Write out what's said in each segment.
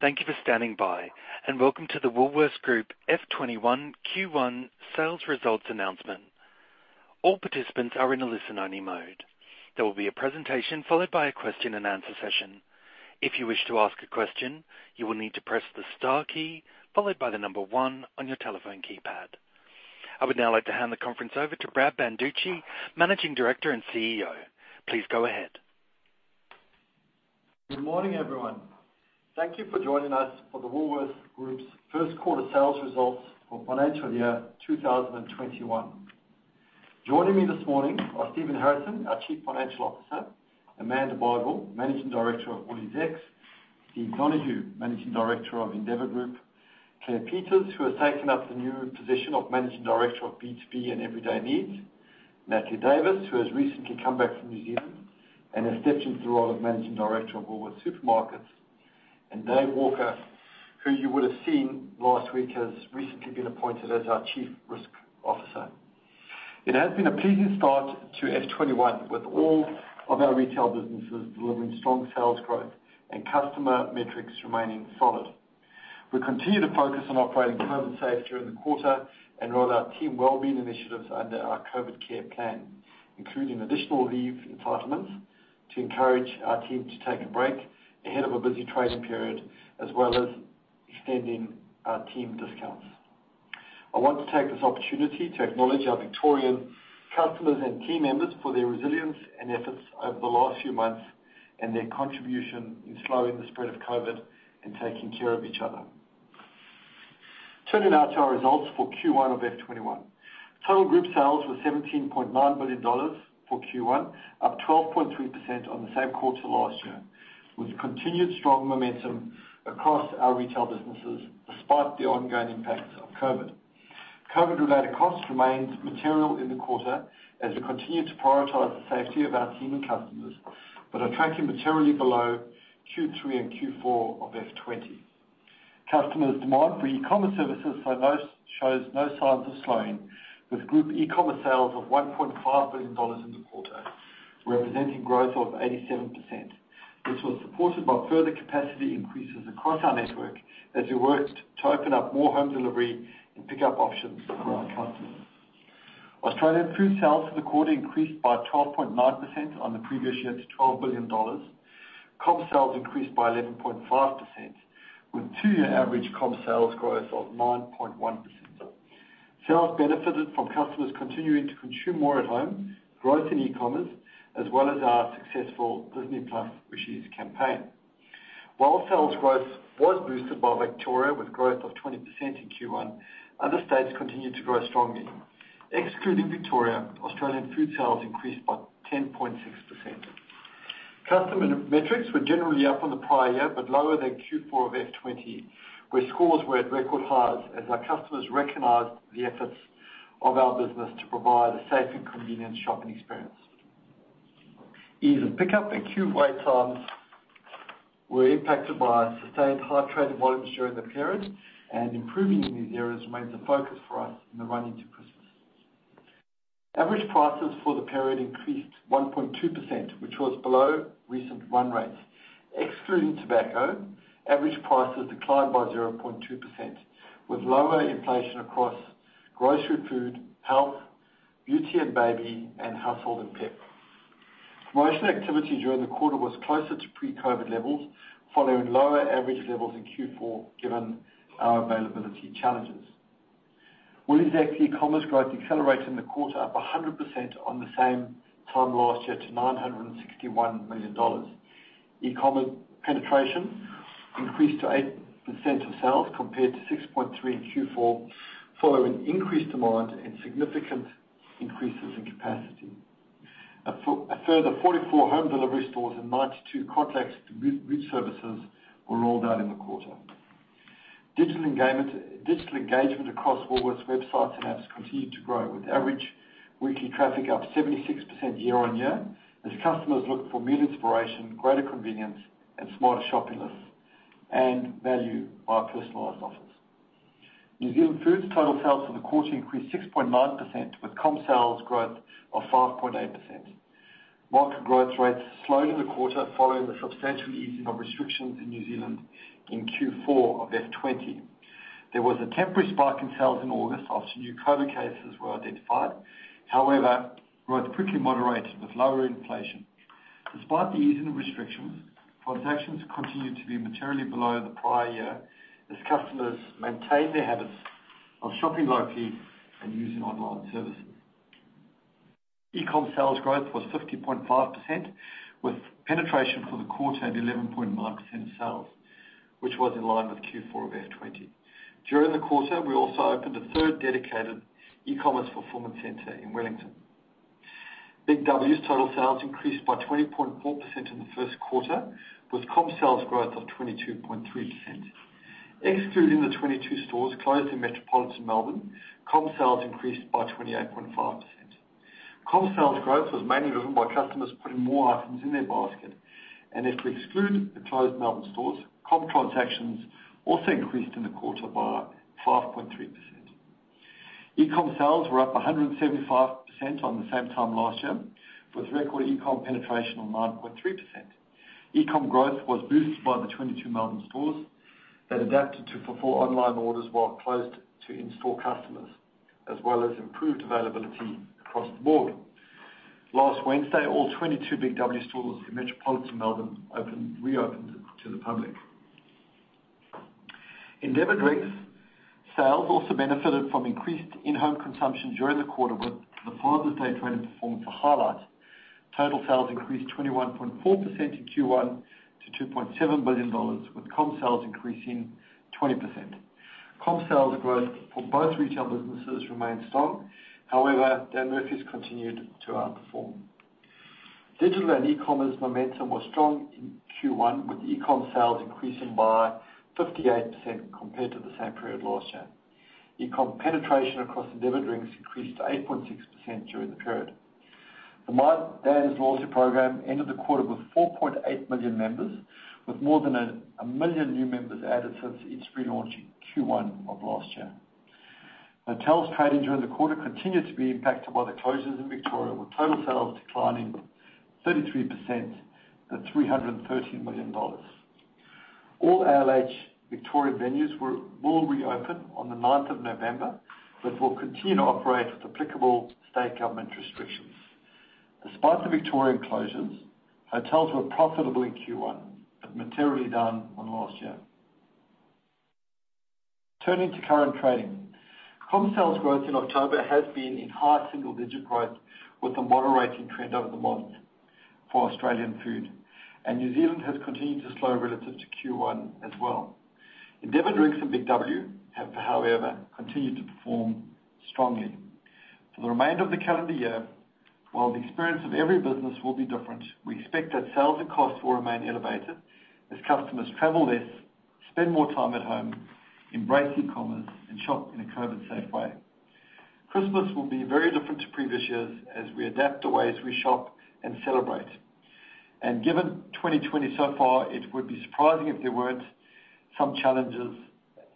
Thank you for standing by, and welcome to the Woolworths Group FY21 Q1 Sales Results Announcement. All participants are in a listen-only mode. There will be a presentation followed by a question and answer session. If you wish to ask a question, you will need to press the star key followed by the number one on your telephone keypad. I would now like to hand the conference over to Brad Banducci, Managing Director and CEO. Please go ahead. Good morning, everyone. Thank you for joining us for the Woolworths Group's First Quarter Sales Results for Financial Year 2021. Joining me this morning are Stephen Harrison, our Chief Financial Officer, Amanda Bardwell, Managing Director of WooliesX, Steve Donohue, Managing Director of Endeavour Group, Claire Peters, who has taken up the new position of Managing Director of B2B and Everyday Needs, Natalie Davis, who has recently come back from New Zealand and has stepped into the role of Managing Director of Woolworths Supermarkets, and Dave Walker, who you would have seen last week, has recently been appointed as our Chief Risk Officer. It has been a pleasing start to FY 2021, with all of our retail businesses delivering strong sales growth and customer metrics remaining solid. We continue to focus on operating COVID-safe during the quarter and rolled out team wellbeing initiatives under our COVID Care Plan, including additional leave entitlements, to encourage our team to take a break ahead of a busy trading period, as well as extending our team discounts. I want to take this opportunity to acknowledge our Victorian customers and team members for their resilience and efforts over the last few months and their contribution in slowing the spread of COVID and taking care of each other. Turning now to our results for Q1 of FY 2021. Total group sales were 17.9 billion dollars for Q1, up 12.3% on the same quarter last year, with continued strong momentum across our retail businesses despite the ongoing impacts of COVID. COVID-related costs remained material in the quarter as we continued to prioritize the safety of our team and customers, but are tracking materially below Q3 and Q4 of FY 2020. Customers' demand for e-commerce services shows no signs of slowing, with group e-commerce sales of 1.5 billion dollars in the quarter, representing growth of 87%, which was supported by further capacity increases across our network as we worked to open up more home delivery and pickup options for our customers. Australian Food sales for the quarter increased by 12.9% on the previous year to 12 billion dollars. Comp sales increased by 11.5%, with two-year average comp sales growth of 9.1%. Sales benefited from customers continuing to consume more at home, growth in e-commerce, as well as our successful Disney+ release campaign. While sales growth was boosted by Victoria, with growth of 20% in Q1, other states continued to grow strongly. Excluding Victoria, Australian Food sales increased by 10.6%. Customer metrics were generally up on the prior year, but lower than Q4 of FY 20, where scores were at record highs as our customers recognized the efforts of our business to provide a safe and convenient shopping experience. Ease of pickup and queue wait times were impacted by sustained high trade volumes during the period, and improving in these areas remains a focus for us in the run into Christmas. Average prices for the period increased 1.2%, which was below recent run rates. Excluding tobacco, average prices declined by 0.2%, with lower inflation across grocery, food, health, beauty and baby, and household and pet. Promotion activity during the quarter was closer to pre-COVID levels, following lower average levels in Q4, given our availability challenges. WooliesX e-commerce growth accelerated in the quarter, up 100% on the same time last year to 961 million dollars. E-commerce penetration increased to 8% of sales, compared to 6.3% in Q4, following increased demand and significant increases in capacity. A further 44 home delivery stores and 92 contactless delivery services were rolled out in the quarter. Digital engagement across Woolworths websites and apps continued to grow, with average weekly traffic up 76% year-on-year, as customers look for meal inspiration, greater convenience, and smarter shopping lists and value by our personalized offers. New Zealand Food's total sales for the quarter increased 6.9%, with comp sales growth of 5.8%. Market growth rates slowed in the quarter following the substantial easing of restrictions in New Zealand in Q4 of FY20. There was a temporary spike in sales in August after new COVID cases were identified. However, growth quickly moderated with lower inflation. Despite the easing of restrictions, transactions continued to be materially below the prior year as customers maintained their habits of shopping locally and using online services. E-com sales growth was 50.5%, with penetration for the quarter at 11.9% sales, which was in line with Q4 of FY20. During the quarter, we also opened a third dedicated e-commerce fulfillment center in Wellington. Big W's total sales increased by 20.4% in the first quarter, with comp sales growth of 22.3%. Excluding the 22 stores closed in metropolitan Melbourne, comp sales increased by 28.5%. Comp sales growth was mainly driven by customers putting more items in their basket, and if we exclude the closed Melbourne stores, comp transactions also increased in the quarter by 5.3%. E-com sales were up 175% on the same time last year, with record e-com penetration of 9.3%. E-com growth was boosted by the 22 Melbourne stores that adapted to fulfill online orders while closed to in-store customers, as well as improved availability across the board. Last Wednesday, all 22 Big W stores in metropolitan Melbourne opened, reopened to the public. Endeavour Drinks sales also benefited from increased in-home consumption during the quarter, with the Victoria state trading performance a highlight. Total sales increased 21.4% in Q1 to 2.7 billion dollars, with comp sales increasing 20%. Comp sales growth for both retail businesses remained strong, however, Dan Murphy's continued to outperform. Digital and e-commerce momentum was strong in Q1, with e-com sales increasing by 58% compared to the same period last year. E-com penetration across Endeavour Drinks increased to 8.6% during the period. The My Dan's Loyalty Program ended the quarter with 4.8 million members, with more than a million new members added since its relaunch in Q1 of last year. Hotels trading during the quarter continued to be impacted by the closures in Victoria, with total sales declining 33% to AUD 313 million. All ALH Victorian venues will reopen on the 9th of November, but will continue to operate with applicable state government restrictions. Despite the Victorian closures, Hotels were profitable in Q1, but materially down on last year. Turning to current trading. Comp sales growth in October has been in high single-digit growth, with a moderating trend over the month for Australian Food, and New Zealand has continued to slow relative to Q1 as well. Endeavour Drinks and Big W have, however, continued to perform strongly. For the remainder of the calendar year, while the experience of every business will be different, we expect that sales and costs will remain elevated as customers travel less, spend more time at home, embrace e-commerce, and shop in a COVID-safe way. Christmas will be very different to previous years as we adapt the ways we shop and celebrate, and given 2020 so far, it would be surprising if there weren't some challenges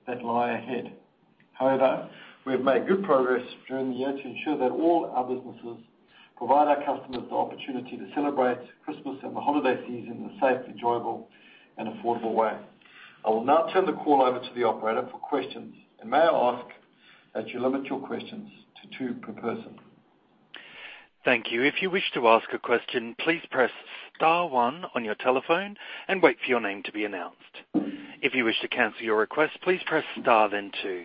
that lie ahead. However, we have made good progress during the year to ensure that all our businesses provide our customers the opportunity to celebrate Christmas and the holiday season in a safe, enjoyable, and affordable way. I will now turn the call over to the operator for questions, and may I ask that you limit your questions to two per person. Thank you. If you wish to ask a question, please press star one on your telephone and wait for your name to be announced. If you wish to cancel your request, please press star, then two.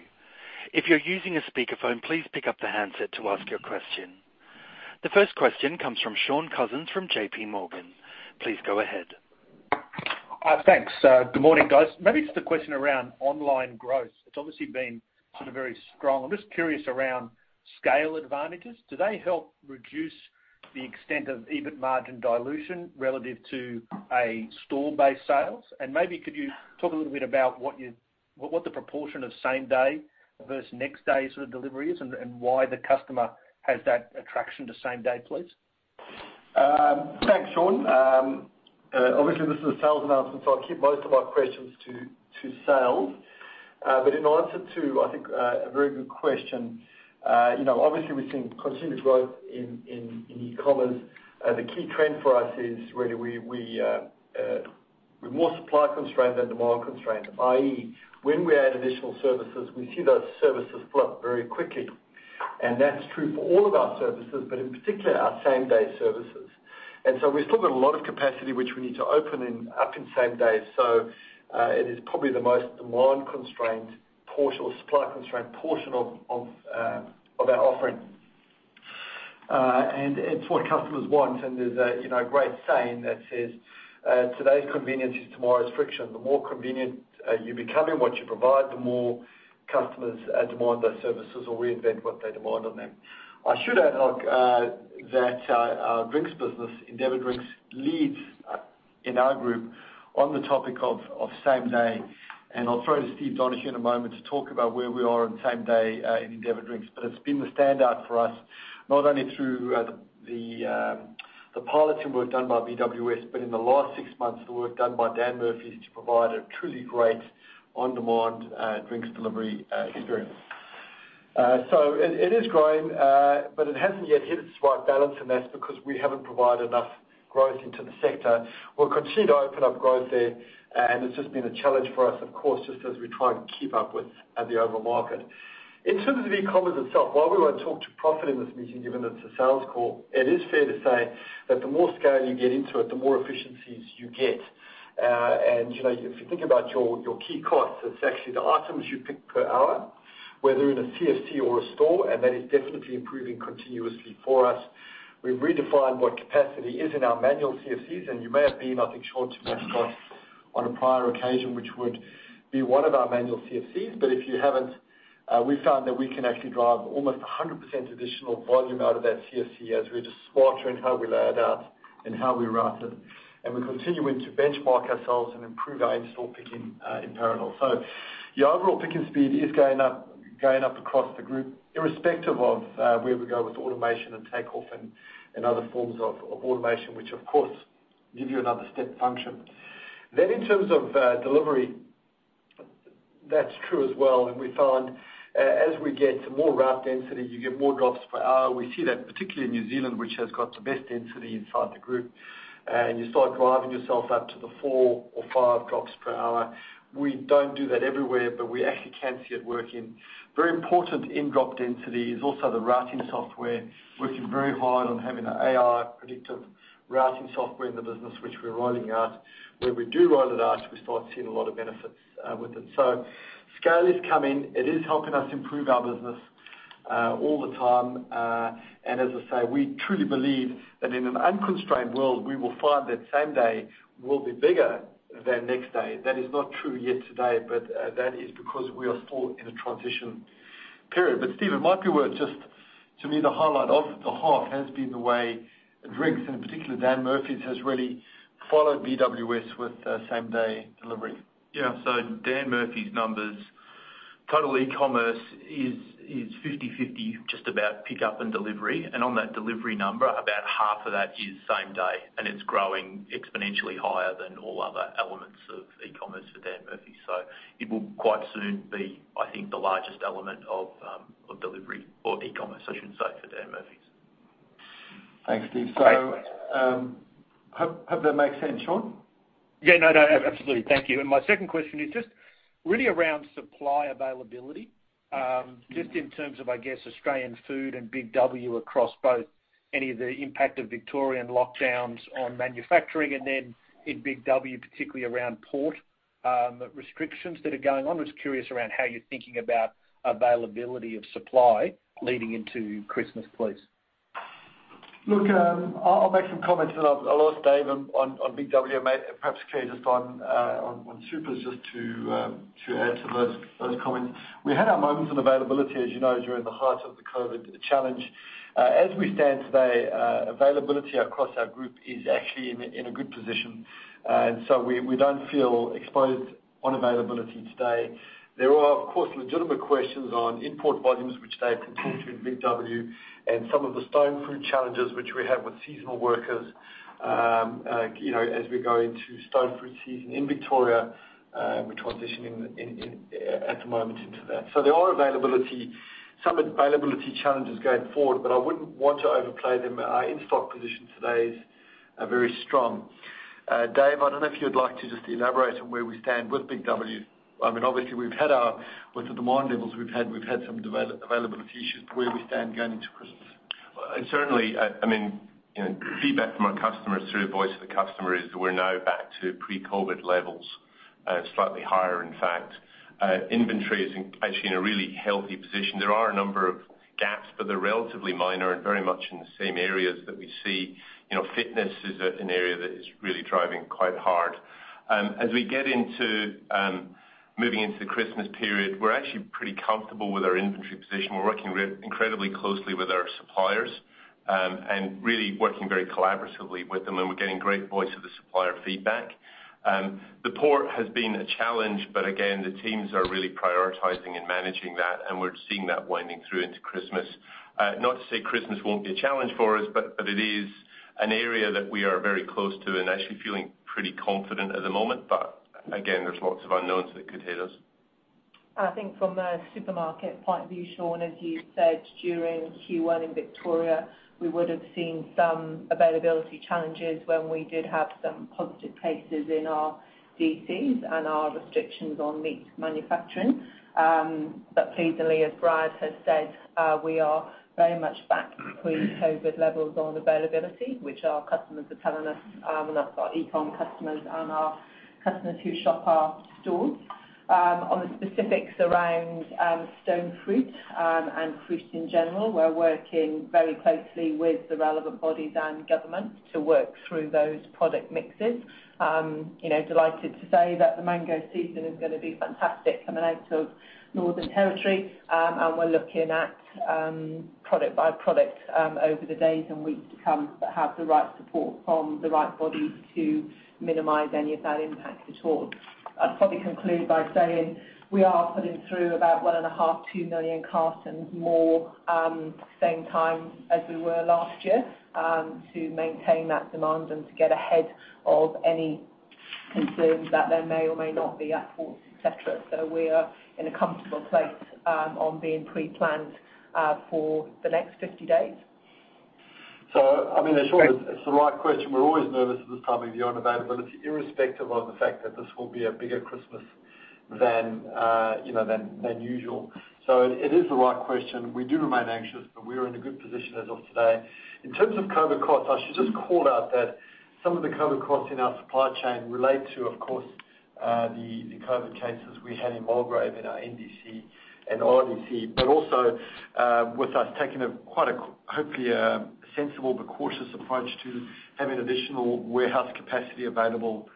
If you're using a speakerphone, please pick up the handset to ask your question. The first question comes from Shaun Cousins from JPMorgan. Please go ahead. Thanks. Good morning, guys. Maybe just a question around online growth. It's obviously been sort of very strong. I'm just curious around scale advantages. Do they help reduce the extent of EBIT margin dilution relative to a store-based sales? And maybe could you talk a little bit about what the proportion of same day versus next day sort of delivery is, and why the customer has that attraction to same day, please? Thanks, Shaun. Obviously, this is a sales announcement, so I'll keep most of our questions to sales. But in answer to, I think, a very good question, you know, obviously, we've seen continued growth in e-commerce. The key trend for us is really we're more supply constrained than demand constrained, i.e., when we add additional services, we see those services fill up very quickly. And that's true for all of our services, but in particular, our same-day services. And so we've still got a lot of capacity which we need to open up in same day. So, it is probably the most demand-constrained portion or supply-constrained portion of our offering. And it's what customers want, and there's a, you know, great saying that says, "Today's convenience is tomorrow's friction." The more convenient you become in what you provide, the more customers demand those services or reinvent what they demand on them. I should add, like, that our Drinks business, Endeavour Drinks, leads in our group on the topic of same day. And I'll throw to Steve Donohue in a moment to talk about where we are on same day in Endeavour Drinks. But it's been the standout for us, not only through the piloting work done by BWS, but in the last six months, the work done by Dan Murphy's to provide a truly great on-demand drinks delivery experience. So it is growing, but it hasn't yet hit its right balance, and that's because we haven't provided enough growth into the sector. We'll continue to open up growth there, and it's just been a challenge for us, of course, just as we try and keep up with the overall market. In terms of e-commerce itself, while we won't talk to profit in this meeting, given it's a sales call, it is fair to say that the more scale you get into it, the more efficiencies you get. And, you know, if you think about your key costs, it's actually the items you pick per hour, whether in a CFC or a store, and that is definitely improving continuously for us. We've redefined what capacity is in our manual CFCs, and you may have been, I think, Shaun, to one of our stores on a prior occasion, which would be one of our manual CFCs. But if you haven't, we found that we can actually drive almost 100% additional volume out of that CFC as we're just smarter in how we lay it out and how we route it. And we're continuing to benchmark ourselves and improve our in-store picking in parallel. So the overall picking speed is going up, going up across the group, irrespective of where we go with automation and Takeoff and other forms of automation, which, of course, give you another step function. Then in terms of delivery, that's true as well, and we found as we get more route density, you get more drops per hour. We see that particularly in New Zealand, which has got the best density inside the group, and you start driving yourself up to the four or five drops per hour. We don't do that everywhere, but we actually can see it working. Very important in drop density is also the routing software, working very hard on having an AI predictive routing software in the business, which we're rolling out. Where we do roll it out, we start seeing a lot of benefits, with it. So scale is coming. It is helping us improve our business, all the time, and as I say, we truly believe that in an unconstrained world, we will find that same day will be bigger than next day. That is not true yet today, but, that is because we are still in a transition period. But Steve, it might be worth just to me, the highlight of the half has been the way drinks, and particularly Dan Murphy's, has really followed BWS with same-day delivery. Yeah. So Dan Murphy's numbers, total e-commerce is fifty-fifty, just about pickup and delivery, and on that delivery number, about half of that is same day, and it's growing exponentially higher than all other elements of e-commerce for Dan Murphy's, so it will quite soon be, I think, the largest element of delivery or e-commerce, I should say, for Dan Murphy's. Thanks, Steve. So, hope that makes sense. Shaun? Yeah, no, no, absolutely. Thank you. And my second question is just really around supply availability, just in terms of, I guess, Australian Food and Big W across both, any of the impact of Victorian lockdowns on manufacturing and then in Big W, particularly around port, restrictions that are going on. Just curious around how you're thinking about availability of supply leading into Christmas, please. Look, I'll make some comments, and I'll ask Dave on Big W, perhaps Claire, just on supers, just to add to those comments. We had our moments of availability, as you know, during the height of the COVID challenge. As we stand today, availability across our group is actually in a good position. And so we don't feel exposed on availability today. There are, of course, legitimate questions on import volumes, which Dave can talk to in Big W, and some of the stone fruit challenges which we have with seasonal workers, you know, as we go into stone fruit season in Victoria, we're transitioning in at the moment into that. So there are some availability challenges going forward, but I wouldn't want to overplay them. Our in-stock position today is very strong. Dave, I don't know if you'd like to just elaborate on where we stand with Big W. I mean, obviously, we've had our with the demand levels we've had, we've had some availability issues, where we stand going into Christmas. Certainly, I mean, you know, feedback from our customers through Voice of the Customer is we're now back to pre-COVID levels, slightly higher, in fact. Inventory is actually in a really healthy position. There are a number of gaps, but they're relatively minor and very much in the same areas that we see. You know, fitness is an area that is really driving quite hard. As we get into moving into the Christmas period, we're actually pretty comfortable with our inventory position. We're working incredibly closely with our suppliers, and really working very collaboratively with them, and we're getting great Voice of the Supplier feedback. The port has been a challenge, but again, the teams are really prioritizing and managing that, and we're seeing that winding through into Christmas. Not to say Christmas won't be a challenge for us, but it is an area that we are very close to and actually feeling pretty confident at the moment. But again, there's lots of unknowns that could hit us. I think from a supermarket point of view, Shaun, as you said, during Q1 in Victoria, we would have seen some availability challenges when we did have some positive cases in our DCs and our restrictions on meat manufacturing, but pleasingly, as Brad has said, we are very much back pre-COVID levels on availability, which our customers are telling us, and that's our e-com customers and our customers who shop our stores. On the specifics around, stone fruit, and fruit in general, we're working very closely with the relevant bodies and government to work through those product mixes. You know, delighted to say that the mango season is gonna be fantastic coming out of Northern Territory, and we're looking at product by product over the days and weeks to come, but have the right support from the right body to minimize any of that impact at all. I'd probably conclude by saying we are putting through about 1.5-2 million cartons more, same time as we were last year, to maintain that demand and to get ahead of any concerns that there may or may not be at ports, et cetera, so we are in a comfortable place on being pre-planned for the next 50 days. So I mean, Shaun, it's the right question. We're always nervous at this time of year on availability, irrespective of the fact that this will be a bigger Christmas than, you know, than usual. So it is the right question. We do remain anxious, but we are in a good position as of today. In terms of COVID costs, I should just call out that some of the COVID costs in our supply chain relate to, of course, the COVID cases we had in Mulgrave, in our NDC and RDC, but also, with us taking quite a, hopefully a sensible but cautious approach to having additional warehouse capacity available,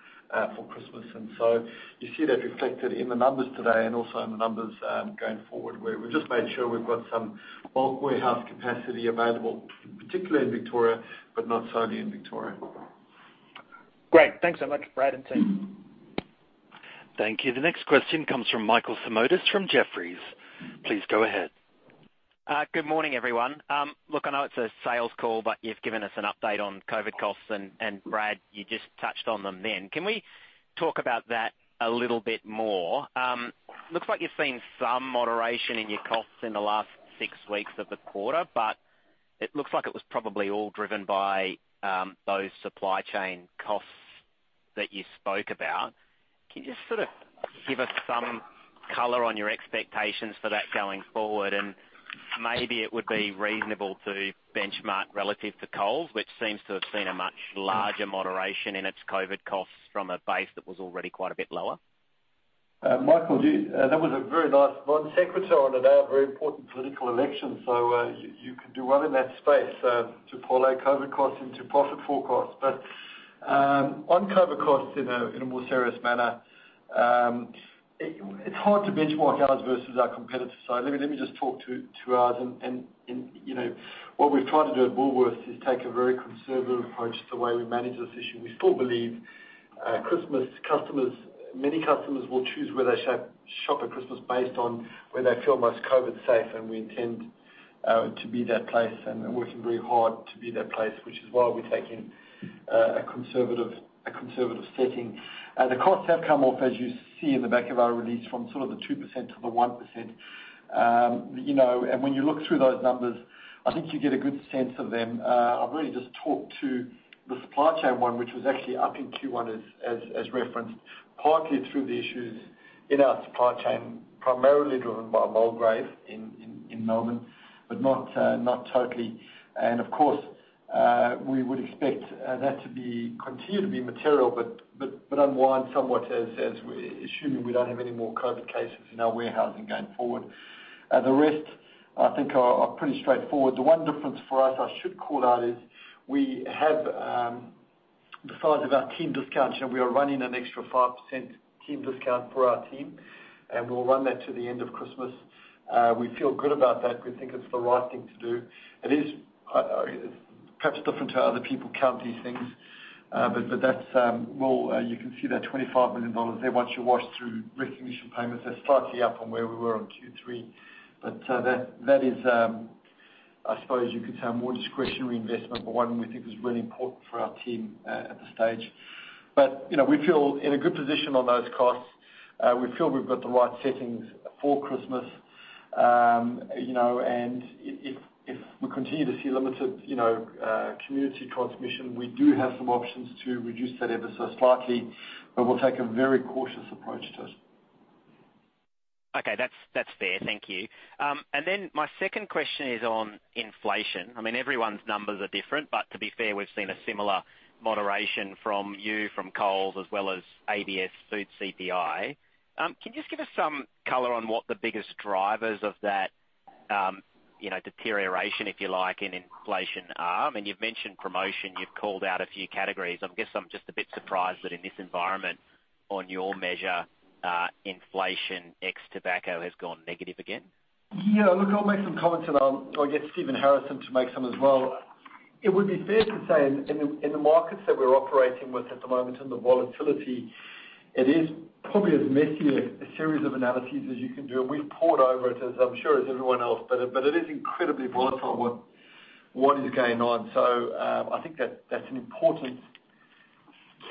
for Christmas. And so you see that reflected in the numbers today and also in the numbers, going forward, where we've just made sure we've got some bulk warehouse capacity available, particularly in Victoria, but not solely in Victoria. Great. Thanks so much, Brad and team. Thank you. The next question comes from Michael Simotas from Jefferies. Please go ahead. Good morning, everyone. Look, I know it's a sales call, but you've given us an update on COVID costs, and Brad, you just touched on them then. Can we talk about that a little bit more? Looks like you've seen some moderation in your costs in the last six weeks of the quarter, but it looks like it was probably all driven by those supply chain costs that you spoke about. Can you just sort of give us some color on your expectations for that going forward? And maybe it would be reasonable to benchmark relative to Coles, which seems to have seen a much larger moderation in its COVID costs from a base that was already quite a bit lower. Michael, you-- that was a very nice non sequitur on today, a very important political election, so, you can do well in that space, to pull out COVID costs into profit forecasts. But, on COVID costs in a more serious manner, it's hard to benchmark ours versus our competitors. So let me just talk to ours, and, you know, what we've tried to do at Woolworths is take a very conservative approach to the way we manage this issue. We still believe, Christmas customers-- many customers will choose where they shop at Christmas based on where they feel most COVID-safe, and we intend to be that place, and we're working very hard to be that place, which is why we're taking a conservative setting. The costs have come off, as you see in the back of our release, from sort of the 2% to the 1%. You know, and when you look through those numbers, I think you get a good sense of them. I've really just talked to the supply chain one, which was actually up in Q1 as referenced, partly through the issues in our supply chain, primarily driven by Mulgrave in Melbourne, but not totally, and of course, we would expect that to continue to be material, but unwind somewhat as we're assuming we don't have any more COVID cases in our warehousing going forward. The rest, I think, are pretty straightforward. The one difference for us, I should call out, is we have the size of our team discount, and we are running an extra 5% team discount for our team, and we'll run that to the end of Christmas. We feel good about that. We think it's the right thing to do. It is perhaps different to how other people count these things, but that's well, you can see that 25 million dollars there. Once you wash through recognition payments, they're slightly up from where we were on Q3. But that is I suppose you could say a more discretionary investment, but one we think is really important for our team at this stage. But you know, we feel in a good position on those costs. We feel we've got the right settings for Christmas. You know, and if, if we continue to see limited, you know, community transmission, we do have some options to reduce that ever so slightly, but we'll take a very cautious approach to it. Okay, that's fair. Thank you. And then my second question is on inflation. I mean, everyone's numbers are different, but to be fair, we've seen a similar moderation from you, from Coles, as well as ABS Food CPI. Can you just give us some color on what the biggest drivers of that, you know, deterioration, if you like, in inflation are? I mean, you've mentioned promotion, you've called out a few categories. I guess I'm just a bit surprised that in this environment, on your measure, inflation, ex tobacco, has gone negative again. Yeah, look, I'll make some comments and I'll get Stephen Harrison to make some as well. It would be fair to say in the markets that we're operating with at the moment and the volatility, it is probably as messy a series of analyses as you can do, and we've pored over it, as I'm sure as everyone else, but it is incredibly volatile what is going on. So, I think that's an important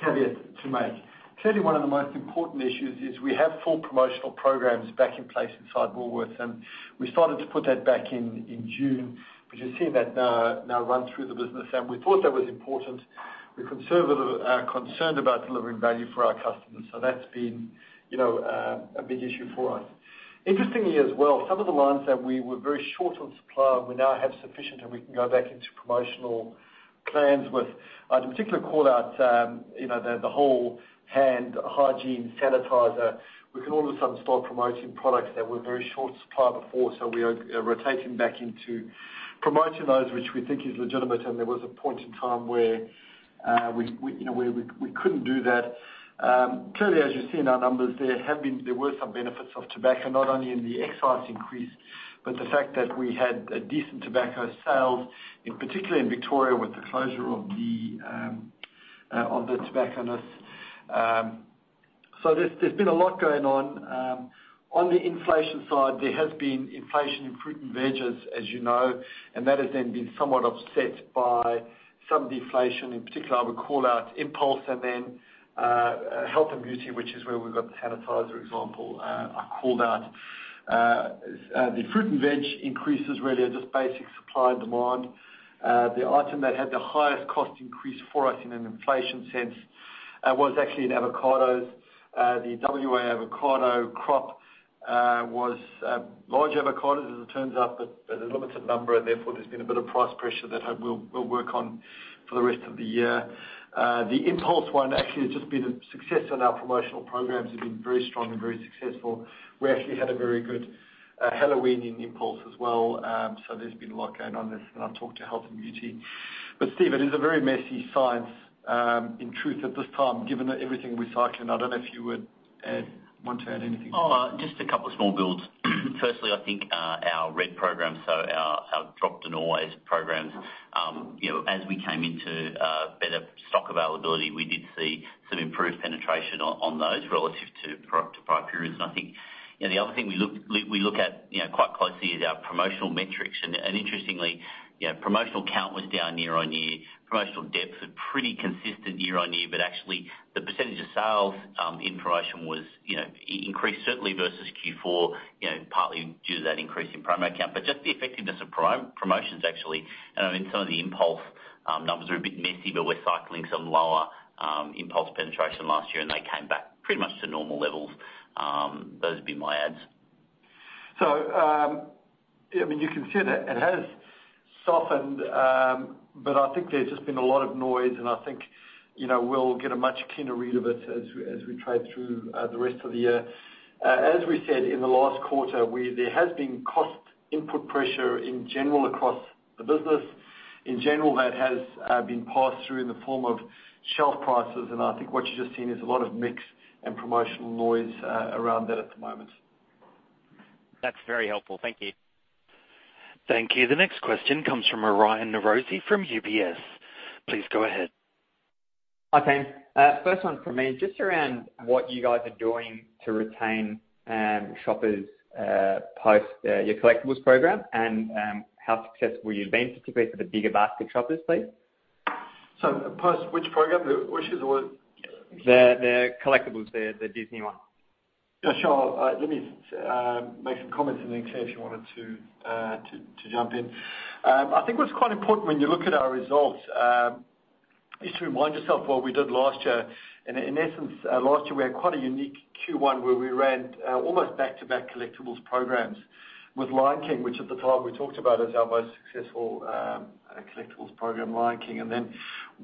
caveat to make. Clearly, one of the most important issues is we have full promotional programs back in place inside Woolworths, and we started to put that back in June, but you're seeing that now run through the business, and we thought that was important. We're conservative, concerned about delivering value for our customers, so that's been, you know, a big issue for us. Interestingly, as well, some of the lines that we were very short on supply, we now have sufficient and we can go back into promotional plans with the particular call out, you know, the whole hand hygiene sanitizer. We can all of a sudden start promoting products that were very short supply before, so we are rotating back into promoting those, which we think is legitimate, and there was a point in time where, you know, where we couldn't do that. Clearly, as you see in our numbers, there were some benefits of tobacco, not only in the excise increase, but the fact that we had a decent tobacco sales, in particular in Victoria, with the closure of the tobacconist. So there's been a lot going on. On the inflation side, there has been inflation in fruit and veggies, as you know, and that has then been somewhat offset by some deflation. In particular, I would call out impulse and then health and beauty, which is where we've got the sanitizer example I called out. The fruit and veg increases really are just basic supply and demand. The item that had the highest cost increase for us in an inflation sense was actually in avocados. The WA avocado crop was large avocados, as it turns out, but at a limited number, and therefore, there's been a bit of price pressure that we'll work on for the rest of the year. The impulse one actually has just been a success on our promotional programs, have been very strong and very successful. We actually had a very good Halloween in impulse as well. So there's been a lot going on, and I'll talk to health and beauty. But Steve, it is a very messy science, in truth, at this time, given everything we're cycling. I don't know if you would want to add anything. Just a couple of small builds. Firstly, I think our RED program, so our Drop the Noise program, you know, as we came into better stock availability, we did see some improved penetration on those relative to prior periods. And I think, you know, the other thing we look at, you know, quite closely is our promotional metrics. And interestingly, you know, promotional count was down year-on-year. Promotional depth was pretty consistent year-on-year, but actually the percentage of sales in promotion was, you know, increased certainly versus Q4, you know, partly due to that increase in promo count. But just the effectiveness of promotions actually, and I mean, some of the impulse numbers are a bit messy, but we're cycling some lower impulse penetration last year, and they came back pretty much to normal levels. Those would be my adds. So, yeah, I mean, you can see that it has softened, but I think there's just been a lot of noise, and I think, you know, we'll get a much cleaner read of it as we trade through the rest of the year. As we said in the last quarter, there has been cost input pressure in general across the business. In general, that has been passed through in the form of shelf prices, and I think what you're just seeing is a lot of mix and promotional noise around that at the moment. That's very helpful. Thank you. Thank you. The next question comes from Aryan Norozi from UBS. Please go ahead. Hi, team. First one for me, just around what you guys are doing to retain shoppers post your collectibles program and how successful you've been, particularly for the bigger basket shoppers, please? So post which program? Wish or- The collectibles, the Disney one. Yeah, sure. Let me make some comments and then, Claire, if you wanted to jump in. I think what's quite important when you look at our results is to remind yourself what we did last year. And in essence, last year we had quite a unique Q1, where we ran almost back-to-back collectibles programs with Lion King, which at the time we talked about as our most successful collectibles program, Lion King. And then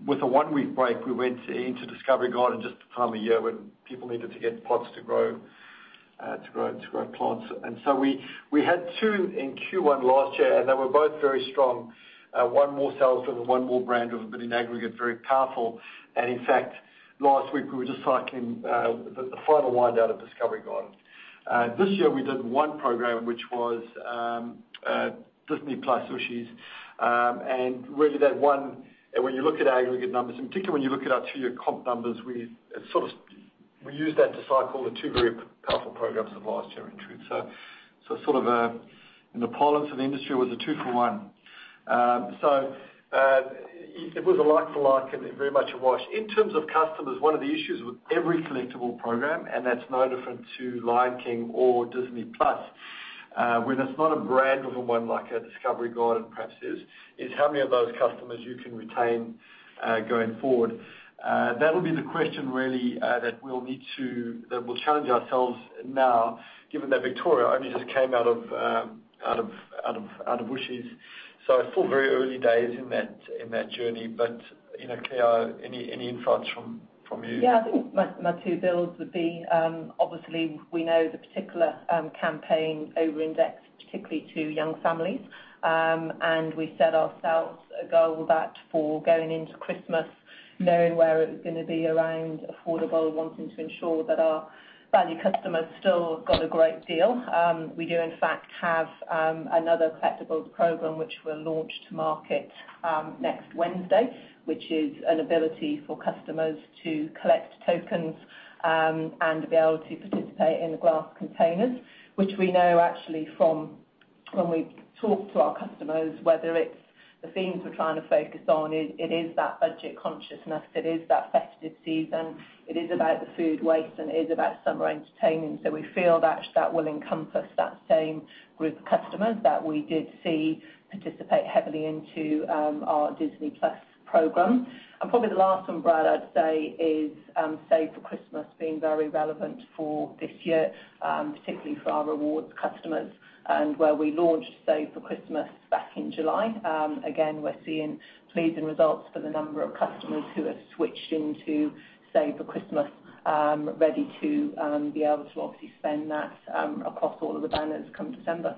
with a one-week break, we went into Discovery Garden, just the time of year when people needed to get pots to grow plants. And so we had two in Q1 last year, and they were both very strong. One more sales than the other brand, but in aggregate, very powerful. And in fact, last week we were just cycling the final wind out of Discovery Garden. This year we did one program, which was Disney+ Ooshies, and really that one. And when you look at aggregate numbers, and particularly when you look at our two-year comp numbers, we sort of use that to cycle the two very powerful programs of last year into. So sort of a, in the parlance of the industry, it was a two for one. So it was a like for like and very much a wash. In terms of customers, one of the issues with every collectible program, and that's no different to Lion King or Disney+s, where that's not a brand within one like a Discovery Garden perhaps is, is how many of those customers you can retain, going forward. That'll be the question really, that we'll need to- that we'll challenge ourselves now, given that Victoria only just came out of Ooshies. So it's still very early days in that journey. But, you know, Claire, any insights from you? Yeah, I think my two builds would be obviously we know the particular campaign overindexed, particularly to young families, and we set ourselves a goal that for going into Christmas, knowing where it was gonna be around affordable, wanting to ensure that our value customers still got a great deal. We do in fact have another collectibles program, which we'll launch to market next Wednesday, which is an ability for customers to collect tokens and be able to participate in the glass containers. Which we know actually from when we talk to our customers, whether it's the themes we're trying to focus on, it, it is that budget consciousness, it is that festive season, it is about the food waste, and it is about summer entertainment. So we feel that, that will encompass that same group of customers that we did see participate heavily into, our Disney+ program. And probably the last umbrella I'd say is, Save for Christmas being very relevant for this year, particularly for our rewards customers and where we launched Save for Christmas back in July. Again, we're seeing pleasing results for the number of customers who have switched into Save for Christmas, ready to, be able to obviously spend that, across all of the banners come December.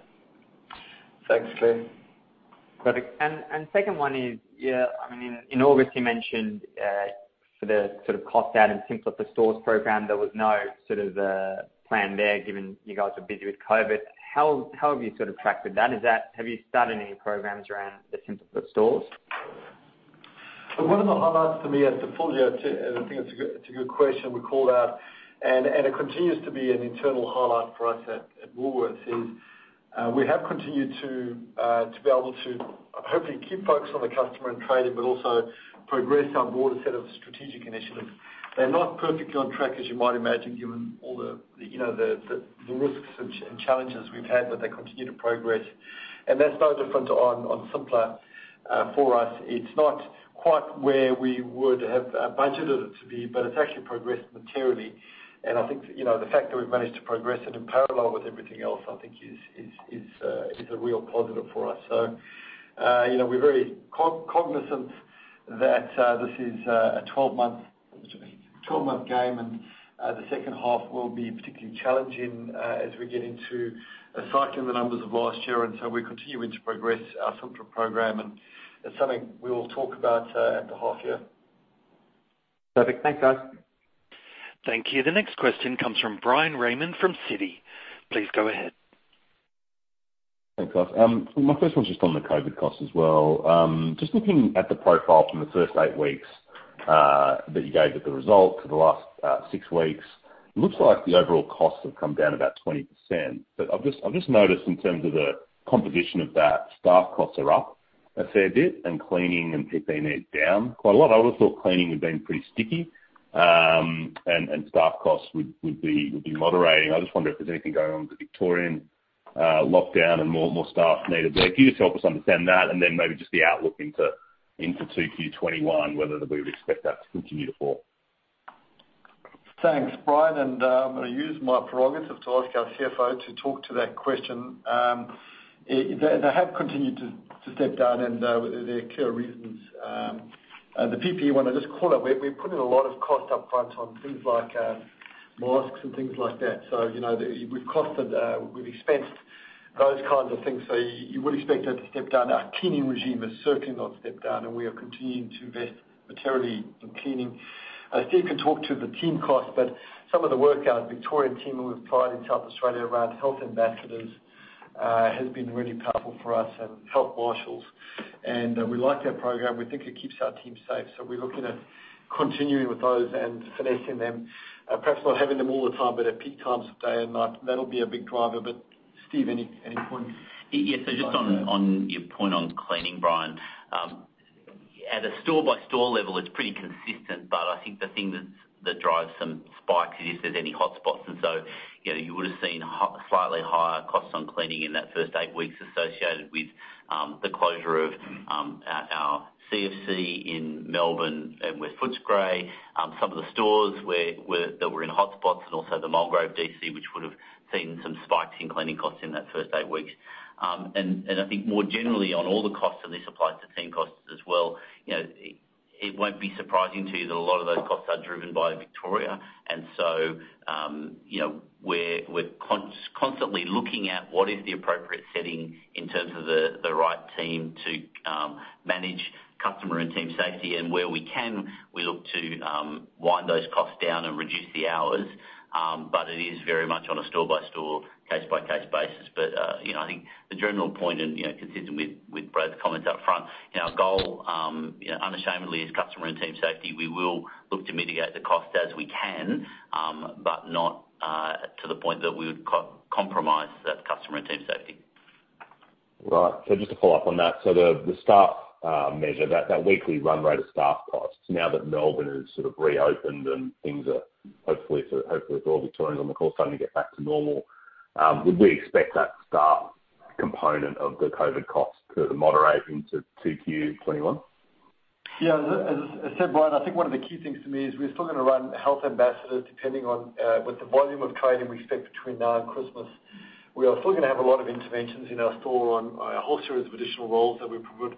Thanks, Claire. Perfect. And, and second one is, yeah, I mean, in August, you mentioned, for the sort of cost out and Simpler for Stores program, there was no sort of, plan there, given you guys were busy with COVID. How, how have you sort of tracked with that? Is that - have you started any programs around the Simpler for Stores? One of the highlights for me as the full year, and I think it's a good, it's a good question we called out, and it continues to be an internal highlight for us at Woolworths, is we have continued to be able to hopefully keep focused on the customer and trading, but also progress our broader set of strategic initiatives. They're not perfectly on track, as you might imagine, given all the, you know, the risks and challenges we've had, but they continue to progress. And that's no different on simpler. For us, it's not quite where we would have budgeted it to be, but it's actually progressed materially. And I think, you know, the fact that we've managed to progress it in parallel with everything else, I think is a real positive for us. So, you know, we're very cognizant that this is a 12-month game, and the second half will be particularly challenging as we get into cycling the numbers of last year. And so we're continuing to progress our simpler program, and it's something we will talk about at the half year. Perfect. Thanks, guys. Thank you. The next question comes from Bryan Raymond, from Citi. Please go ahead. Thanks, guys. My first one's just on the COVID costs as well. Just looking at the profile from the first eight weeks that you gave at the result for the last six weeks, it looks like the overall costs have come down about 20%. But I've just noticed in terms of the composition of that, staff costs are up a fair bit, and cleaning and PPE are down quite a lot. I would've thought cleaning had been pretty sticky, and staff costs would be moderating. I just wonder if there's anything going on with the Victorian lockdown and more staff needed there. Can you just help us understand that? And then maybe just the outlook into 2Q 2021, whether we would expect that to continue to fall. Thanks, Bryan, and I'm gonna use my prerogative to ask our CFO to talk to that question. They have continued to step down, and there are clear reasons. The PPE one, I just call it, we put in a lot of cost up front on things like masks and things like that. So, you know, we've costed, we've expensed those kinds of things, so you would expect that to step down. Our cleaning regime is certainly not stepped down, and we are continuing to invest materially in cleaning. Steve could talk to the team cost, but some of the work our Victorian team have applied in South Australia around Health Ambassadors has been really powerful for us and Health Marshals. And we like that program. We think it keeps our team safe, so we're looking at continuing with those and finessing them. Perhaps not having them all the time, but at peak times of day and night, that'll be a big driver. But Steve, any points? Yes, so just on your point on cleaning, Brian, at a store-by-store level, it's pretty consistent, but I think the thing that drives some spikes is if there's any hotspots. And so, you know, you would've seen slightly higher costs on cleaning in that first eight weeks associated with the closure of our CFC in Melbourne and with Footscray. Some of the stores where that were in hotspots and also the Mulgrave DC, which would've seen some spikes in cleaning costs in that first eight weeks. And I think more generally, on all the costs, and this applies to team costs as well, you know, it won't be surprising to you that a lot of those costs are driven by Victoria. And so, you know, we're constantly looking at what is the appropriate setting in terms of the right team to manage customer and team safety. And where we can, we look to wind those costs down and reduce the hours, but it is very much on a store-by-store, case-by-case basis. But you know, I think the general point, and you know, consistent with Brad's comments up front, you know, our goal you know unashamedly is customer and team safety. We will look to mitigate the cost as we can, but not to the point that we would compromise that customer and team safety. Right. So just to follow up on that, so the staff measure that weekly run rate of staff costs, now that Melbourne has sort of reopened and things are hopefully for all Victorians on the call starting to get back to normal, would we expect that staff component of the COVID cost to moderate into 2Q 2021? Yeah, as said, Bryan, I think one of the key things to me is we're still gonna run Health Ambassadors, depending on, with the volume of trading we expect between now and Christmas. We are still gonna have a lot of interventions in our store on a whole series of additional roles that we provide.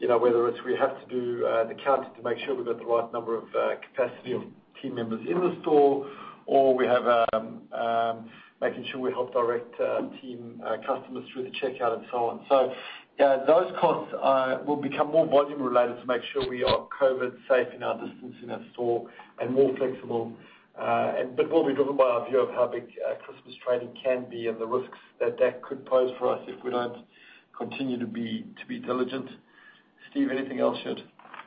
You know, whether it's we have to do, the count to make sure we've got the right number of, capacity of team members in the store, or we have, making sure we help direct, team, customers through the checkout and so on. So, those costs will become more volume-related to make sure we are COVID-safe in our distancing in our store and more flexible, but will be driven by our view of how big Christmas trading can be and the risks that that could pose for us if we don't continue to be diligent. Steve, anything else you'd-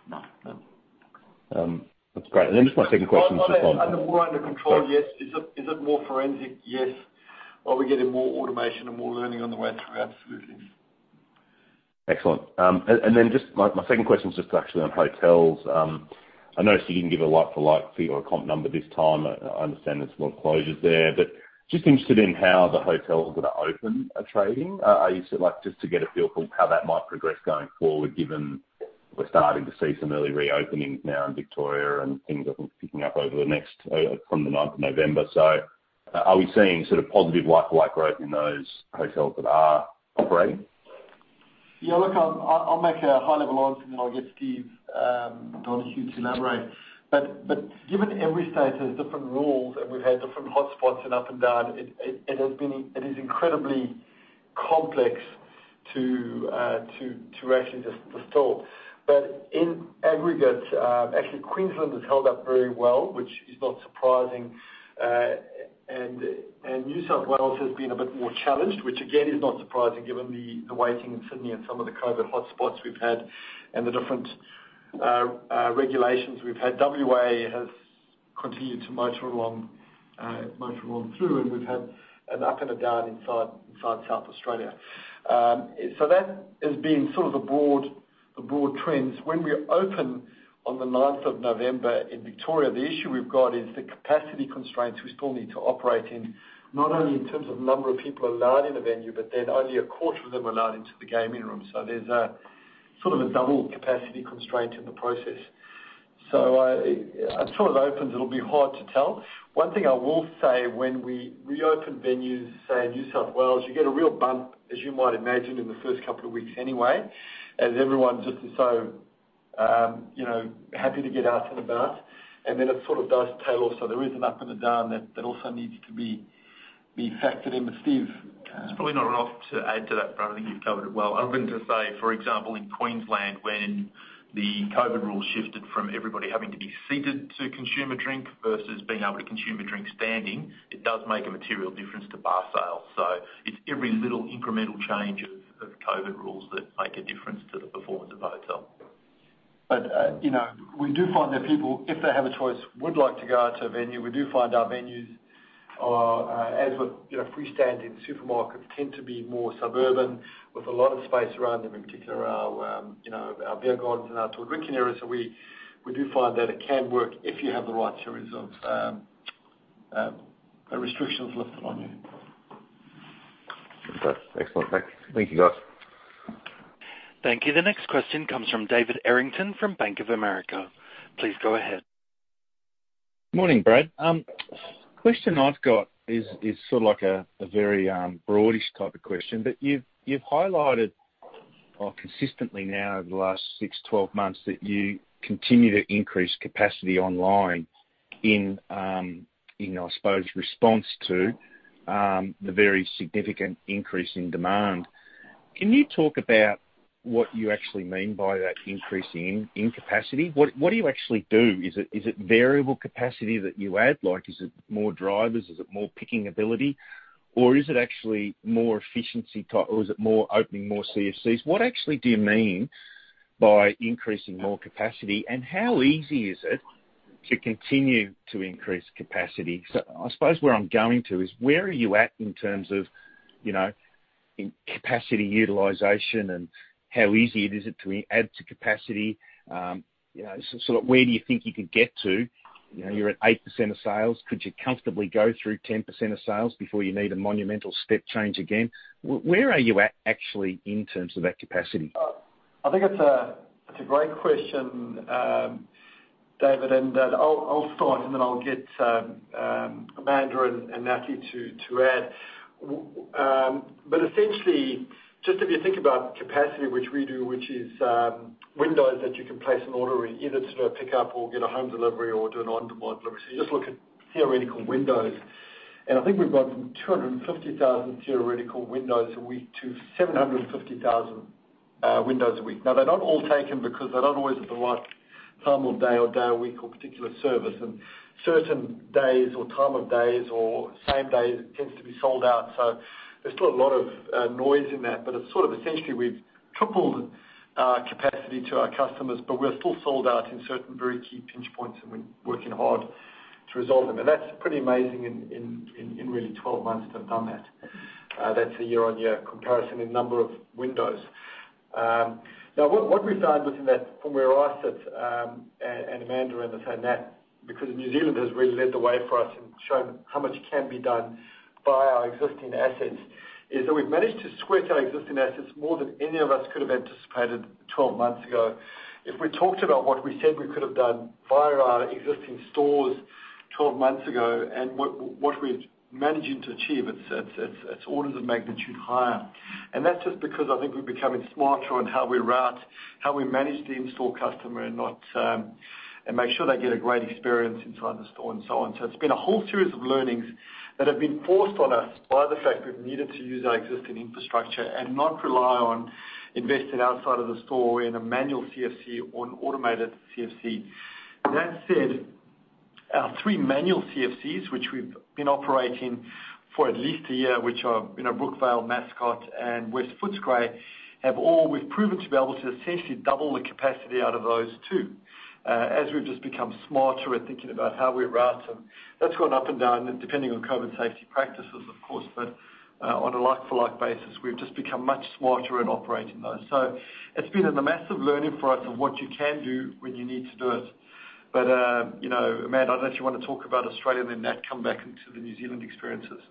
No. No. That's great. And then just my second question- Are they more under control? Yes. Is it more forensic? Yes. Are we getting more automation and more learning on the way through? Absolutely. Excellent. And then just my second question is just actually on Hotels. I noticed you didn't give a like-for-like fee or a comp number this time. I understand there's more closures there, but just interested in how the hotels that are open are trading. I used to like just to get a feel for how that might progress going forward, given we're starting to see some early reopenings now in Victoria and things, I think, picking up over the next from the ninth of November. So are we seeing sort of positive like-for-like growth in those hotels that are operating? Yeah, look, I'll make a high-level answer, and then I'll get Steve to elaborate. But given every state has different rules and we've had different hotspots and up and down, it has been, it is incredibly complex to actually just distort. But in aggregate, actually, Queensland has held up very well, which is not surprising. And New South Wales has been a bit more challenged, which again, is not surprising given the waiting in Sydney and some of the COVID hotspots we've had and the different regulations we've had. WA has continued to motor along through, and we've had an up and a down inside South Australia. So that has been sort of the broad trends. When we open on the ninth of November in Victoria, the issue we've got is the capacity constraints we still need to operate in, not only in terms of number of people allowed in the venue, but then only a quarter of them are allowed into the gaming room. So there's sort of a double capacity constraint in the process. So I until it opens, it'll be hard to tell. One thing I will say, when we reopen venues, say, in New South Wales, you get a real bump, as you might imagine, in the first couple of weeks anyway, as everyone just is so you know happy to get out and about, and then it sort of does tail off. So there is an up and a down that also needs to be factored in. But Steve- There's probably not a lot to add to that, Brian. I think you've covered it well. Other than to say, for example, in Queensland, when- the COVID rules shifted from everybody having to be seated to consume a drink versus being able to consume a drink standing. It does make a material difference to bar sales. So it's every little incremental change of COVID rules that make a difference to the performance of hotel. But, you know, we do find that people, if they have a choice, would like to go out to a venue. We do find our venues are, as with, you know, freestanding supermarkets, tend to be more suburban with a lot of space around them, in particular our, you know, our beer gardens and our outdoor drinking areas. So we do find that it can work if you have the right series of restrictions lifted on you. Okay. Excellent. Thank you, guys. Thank you. The next question comes from David Errington from Bank of America. Please go ahead. Morning, Brad. Question I've got is sort of like a very broadish type of question. But you've highlighted consistently now over the last six, 12 months, that you continue to increase capacity online in, in I suppose, response to the very significant increase in demand. Can you talk about what you actually mean by that increase in capacity? What do you actually do? Is it variable capacity that you add? Like, is it more drivers? Is it more picking ability? Or is it actually more efficiency type, or is it more opening more CFCs? What actually do you mean by increasing more capacity, and how easy is it to continue to increase capacity? I suppose where I'm going to is where are you at in terms of, you know, in capacity utilization and how easy it is to add to capacity? You know, sort of where do you think you could get to? You know, you're at 8% of sales. Could you comfortably go through 10% of sales before you need a monumental step change again? Where are you at, actually, in terms of that capacity? I think it's a great question, David, and I'll start, and then I'll get Amanda and Natalie to add. But essentially, just if you think about capacity, which we do, which is windows that you can place an order in, either to do a pickup or get a home delivery or do an on-demand delivery. So you just look at theoretical windows, and I think we've gone from 250,000 theoretical windows a week to 750,000 windows a week. Now, they're not all taken because they're not always at the right time or day or week or particular service, and certain days or time of day or same day tends to be sold out. So there's still a lot of noise in that, but it's sort of essentially we've tripled our capacity to our customers, but we're still sold out in certain very key pinch points, and we're working hard to resolve them. And that's pretty amazing in really twelve months to have done that. That's a year-on-year comparison in number of windows. Now, what we found within that from where I sit, and Amanda and also Nat, because New Zealand has really led the way for us and shown how much can be done by our existing assets, is that we've managed to square our existing assets more than any of us could have anticipated twelve months ago. If we talked about what we said we could have done via our existing stores 12 months ago and what we're managing to achieve, it's orders of magnitude higher. That's just because I think we're becoming smarter on how we route, how we manage the in-store customer and not and make sure they get a great experience inside the store and so on. So it's been a whole series of learnings that have been forced on us by the fact we've needed to use our existing infrastructure and not rely on investing outside of the store in a manual CFC or an automated CFC. That said, our three manual CFCs, which we've been operating for at least a year, which are, you know, Brookvale, Mascot, and West Footscray, have all we've proven to be able to essentially double the capacity out of those two. As we've just become smarter at thinking about how we route them. That's gone up and down, depending on COVID safety practices, of course, but on a like-for-like basis, we've just become much smarter at operating those. So it's been a massive learning for us of what you can do when you need to do it. But, you know, Amanda, I don't know if you want to talk about Australia, and then, Nat, come back into the New Zealand experiences.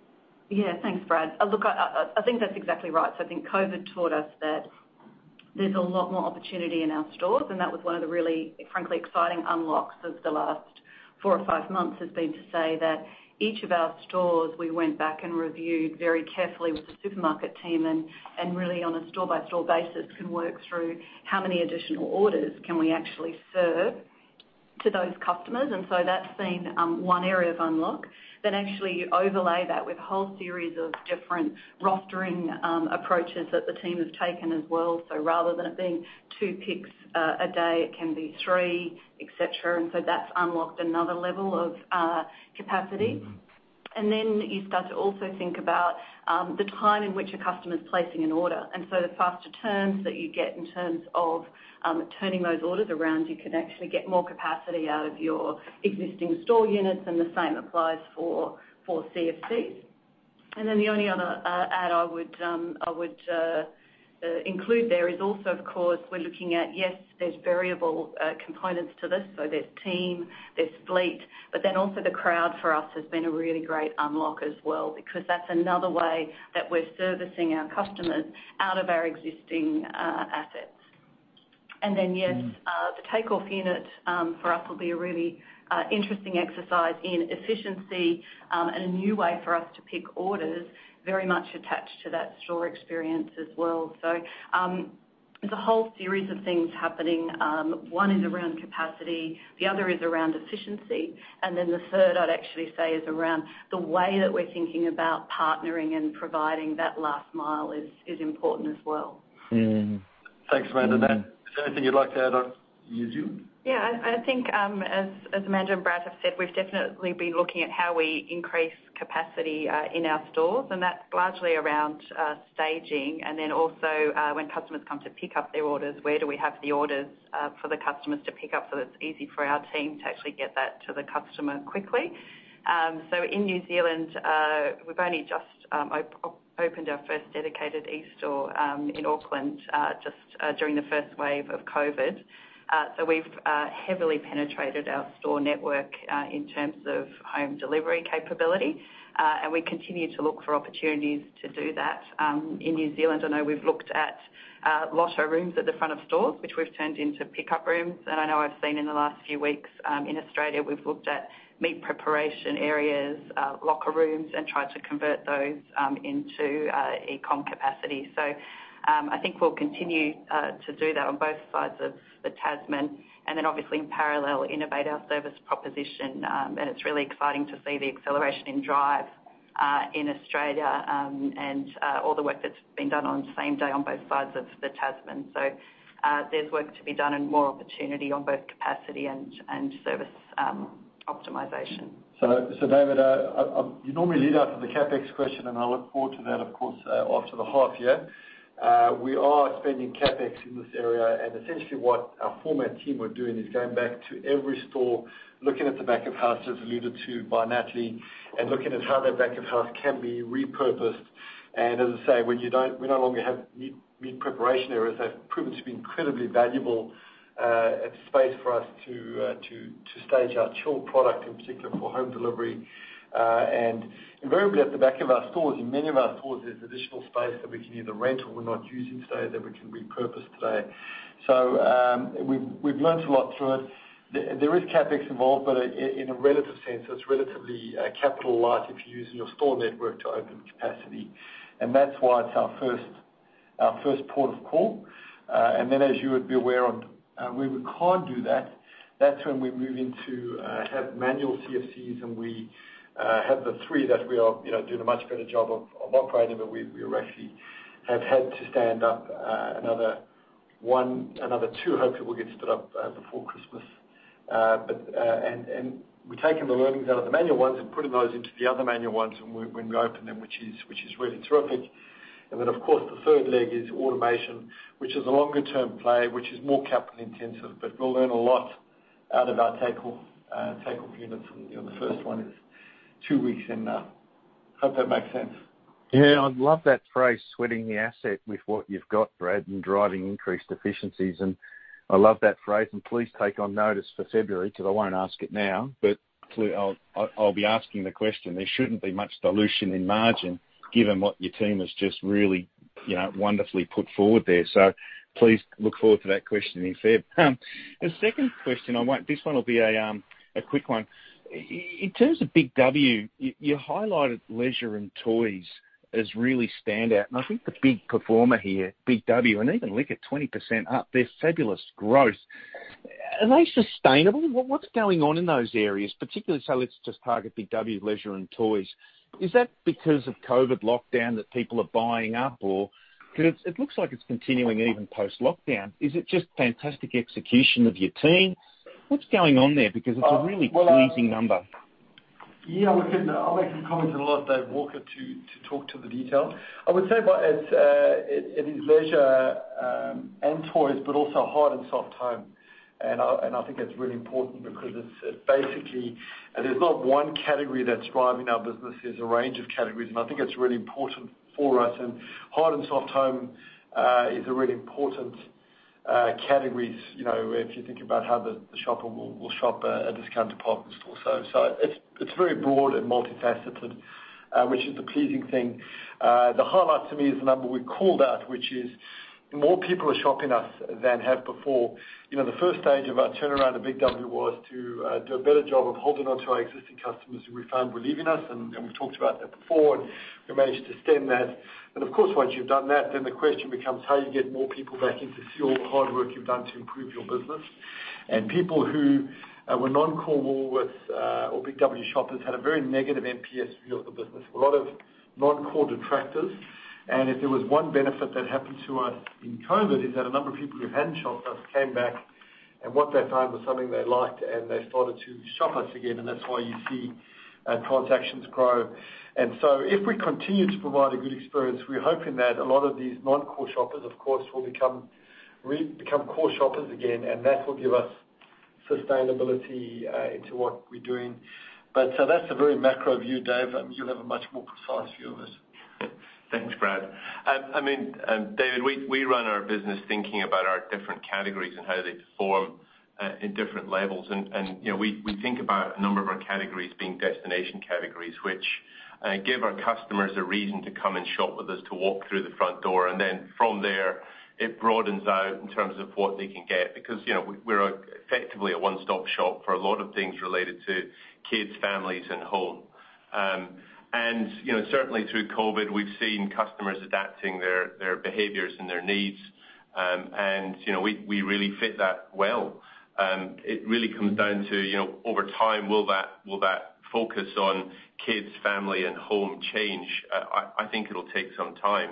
Yeah. Thanks, Brad. Look, I think that's exactly right. So I think COVID taught us that there's a lot more opportunity in our stores, and that was one of the really, frankly, exciting unlocks of the last four or five months, has been to say that each of our stores, we went back and reviewed very carefully with the supermarket team, and really on a store-by-store basis, can work through how many additional orders can we actually serve to those customers. And so that's been one area of unlock. Then actually you overlay that with a whole series of different rostering approaches that the team have taken as well. So rather than it being two picks a day, it can be three, et cetera, and so that's unlocked another level of capacity. You start to also think about the time in which a customer's placing an order. The faster turns that you get in terms of turning those orders around, you can actually get more capacity out of your existing store units, and the same applies for CFCs. The only other add I would include there is also, of course, we're looking at variable components to this, so there's team, there's fleet, but then also the crowd for us has been a really great unlock as well, because that's another way that we're servicing our customers out of our existing assets. And then, yes, the Takeoff unit for us will be a really interesting exercise in efficiency and a new way for us to pick orders, very much attached to that store experience as well. So, there's a whole series of things happening. One is around capacity, the other is around efficiency, and then the third, I'd actually say, is around the way that we're thinking about partnering and providing that last mile is important as well. Thanks, Amanda, Nat? Is there anything you'd like to add on New Zealand? Yeah, I think, as Amanda and Brad have said, we've definitely been looking at how we increase capacity in our stores, and that's largely around staging. And then also, when customers come to pick up their orders, where do we have the orders for the customers to pick up, so that it's easy for our team to actually get that to the customer quickly? So in New Zealand, we've only just opened our first dedicated eStore in Auckland just during the first wave of COVID. So we've heavily penetrated our store network in terms of home delivery capability, and we continue to look for opportunities to do that in New Zealand. I know we've looked at Lotto rooms at the front of stores, which we've turned into pickup rooms. And I know I've seen in the last few weeks in Australia we've looked at meat preparation areas, locker rooms, and tried to convert those into e-com capacity. So I think we'll continue to do that on both sides of the Tasman, and then obviously in parallel innovate our service proposition. And it's really exciting to see the acceleration in Drive in Australia and all the work that's been done on same day on both sides of the Tasman. So there's work to be done and more opportunity on both capacity and service optimization. So, David, you normally lead off with the CapEx question, and I look forward to that, of course, after the half year. We are spending CapEx in this area, and essentially what our format team are doing is going back to every store, looking at the back of house, as alluded to by Natalie, and looking at how that back of house can be repurposed. And as I say, when you don't-- we no longer have meat preparation areas have proven to be incredibly valuable, as space for us to stage our chilled product, in particular for home delivery. And invariably at the back of our stores, in many of our stores, there's additional space that we can either rent or we're not using today, that we can repurpose today. So, we've learned a lot through it. There is CapEx involved, but in a relative sense, it's relatively capital light if you're using your store network to open capacity. And that's why it's our first port of call. And then, as you would be aware, and where we can't do that, that's when we move into having manual CFCs, and we have the three that we are, you know, doing a much better job of operating, but we actually have had to stand up another one, another two, hopefully will get stood up before Christmas. We're taking the learnings out of the manual ones and putting those into the other manual ones when we open them, which is really terrific. Then, of course, the third leg is automation, which is a longer-term play, which is more capital intensive, but we'll learn a lot out of our Takeoff units. You know, the first one is two weeks in. Hope that makes sense. Yeah, I love that phrase, "sweating the asset" with what you've got, Brad, and driving increased efficiencies. And I love that phrase, and please take on notice for February, because I won't ask it now, but I'll be asking the question. There shouldn't be much dilution in margin, given what your team has just really, you know, wonderfully put forward there. So please look forward to that question in Feb. The second question I want, this one will be a quick one. In terms of Big W, you highlighted leisure and toys as really stand out, and I think the big performer here, Big W, and even liquor, 20% up, they're fabulous growth. Are they sustainable? What's going on in those areas, particularly, so let's just target Big W, leisure and toys. Is that because of COVID lockdown that people are buying up? Cause it, it looks like it's continuing even post-lockdown. Is it just fantastic execution of your team? What's going on there? Because it's a really pleasing number. Yeah, I'll make some comments and allow Dave to walk the talk to the detail. I would say, it is leisure and toys, but also hard and soft home. And I think that's really important because it's basically there's not one category that's driving our business, there's a range of categories, and I think it's really important for us. And hard and soft home is a really important categories, you know, if you think about how the shopper will shop at a discount department store. So it's very broad and multifaceted, which is the pleasing thing. The highlight to me is the number we called out, which is more people are shopping us than have before. You know, the first stage of our turnaround at Big W was to do a better job of holding on to our existing customers who we found were leaving us, and we've talked about that before, and we managed to stem that. Of course, once you've done that, then the question becomes how you get more people back in to see all the hard work you've done to improve your business. People who were non-core Woolworths or Big W shoppers had a very negative NPS view of the business, a lot of non-core detractors. If there was one benefit that happened to us in COVID, it is that a number of people who hadn't shopped us came back, and what they found was something they liked, and they started to shop us again, and that's why you see transactions grow. And so if we continue to provide a good experience, we're hoping that a lot of these non-core shoppers, of course, will become core shoppers again, and that will give us sustainability to what we're doing. But so that's a very macro view, Dave. You'll have a much more precise view of it. Thanks, Brad. I mean, David, we run our business thinking about our different categories and how they perform in different levels. You know, we think about a number of our categories being destination categories, which give our customers a reason to come and shop with us, to walk through the front door. Then from there, it broadens out in terms of what they can get, because you know, we're effectively a one-stop shop for a lot of things related to kids, families, and home. You know, certainly through COVID, we've seen customers adapting their behaviors and their needs, and you know, we really fit that well. It really comes down to you know, over time, will that focus on kids, family, and home change? I think it'll take some time.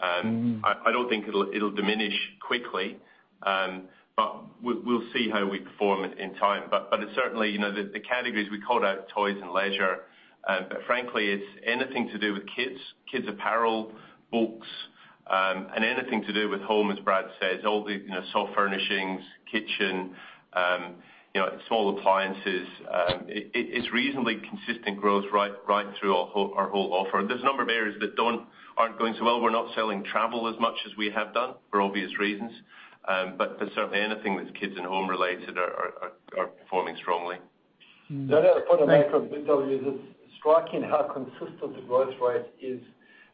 I don't think it'll diminish quickly, but we'll see how we perform in time, but it's certainly, you know, the categories we called out, toys and leisure, but frankly, it's anything to do with kids, kids' apparel, books, and anything to do with home, as Brad says, all the, you know, soft furnishings, kitchen, you know, small appliances, it's reasonably consistent growth, right through our whole offer. There's a number of areas that aren't going so well. We're not selling travel as much as we have done, for obvious reasons. But certainly anything that's kids and home related are performing strongly. The other point I'll make from Big W is it's striking how consistent the growth rate is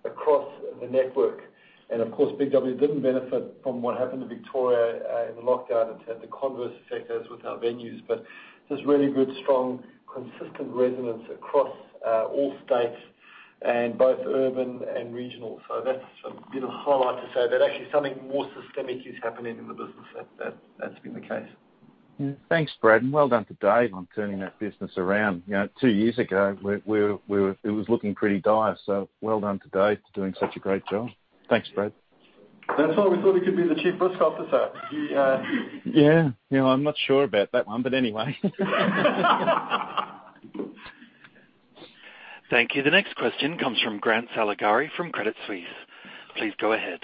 across the network. And of course, Big W didn't benefit from what happened to Victoria in the lockdown. It's had the converse effect as with our venues, but there's really good, strong, consistent resonance across all states and both urban and regional. So that's been a highlight to say that actually something more systemic is happening in the business. That's been the case. Yeah. Thanks, Brad, and well done to Dave on turning that business around. You know, two years ago, we were. It was looking pretty dire, so well done to Dave for doing such a great job. Thanks, Brad. That's why we thought he could be the Chief Risk Officer. He, Yeah. You know, I'm not sure about that one, but anyway. Thank you. The next question comes from Grant Saligari from Credit Suisse. Please go ahead.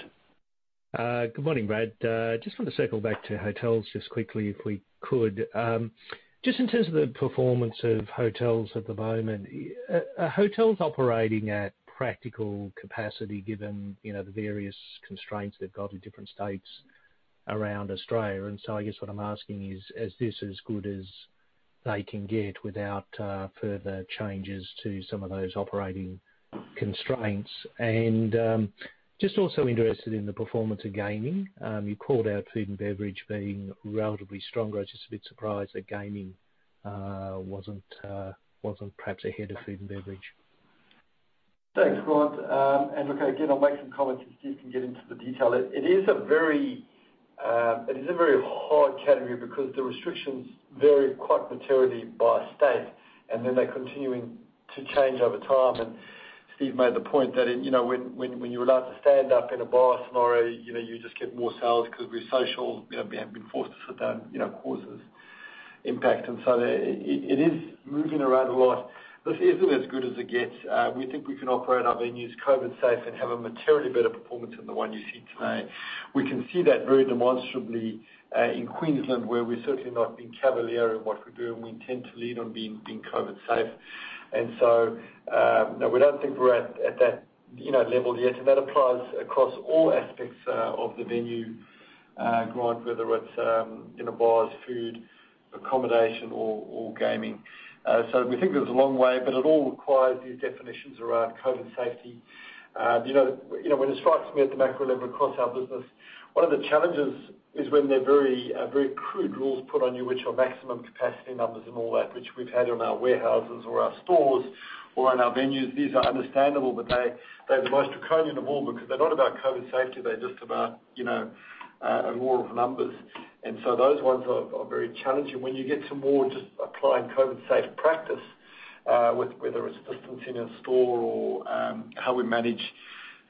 Good morning, Brad. Just want to circle back to Hotels just quickly, if we could. Just in terms of the performance of Hotels at the moment, are Hotels operating at practical capacity given, you know, the various constraints they've got in different states around Australia? And so I guess what I'm asking is, is this as good as they can get without further changes to some of those operating constraints? And just also interested in the performance of gaming. You called out food and beverage being relatively stronger. I was just a bit surprised that gaming wasn't perhaps ahead of food and beverage. Thanks, Grant. And look, again, I'll make some comments, and Steve can get into the detail. It is a very hard category because the restrictions vary quite materially by state, and then they're continuing to change over time. And Steve made the point that, you know, when you're allowed to stand up in a bar tomorrow, you know, you just get more sales because we're social, you know, being forced to sit down, you know, causes impact. And so it is moving around a lot. Look, it isn't as good as it gets. We think we can operate our venues COVID safe and have a materially better performance than the one you see today. We can see that very demonstrably in Queensland, where we're certainly not being cavalier in what we're doing. We intend to lead on being COVID safe. And so, no, we don't think we're at that, you know, level yet, and that applies across all aspects of the venue, Grant, whether it's, you know, bars, food, accommodation, or gaming. So we think there's a long way, but it all requires these definitions around COVID safety. You know, when it strikes me at the macro level across our business, one of the challenges is when there are very, very crude rules put on you, which are maximum capacity numbers and all that, which we've had on our warehouses or our stores or in our venues. These are understandable, but they're the most draconian of all because they're not about COVID safety. They're just about, you know, a rule of numbers. And so those ones are very challenging. When you get to more just applying COVID-safe practice, with whether it's distancing in store or, how we manage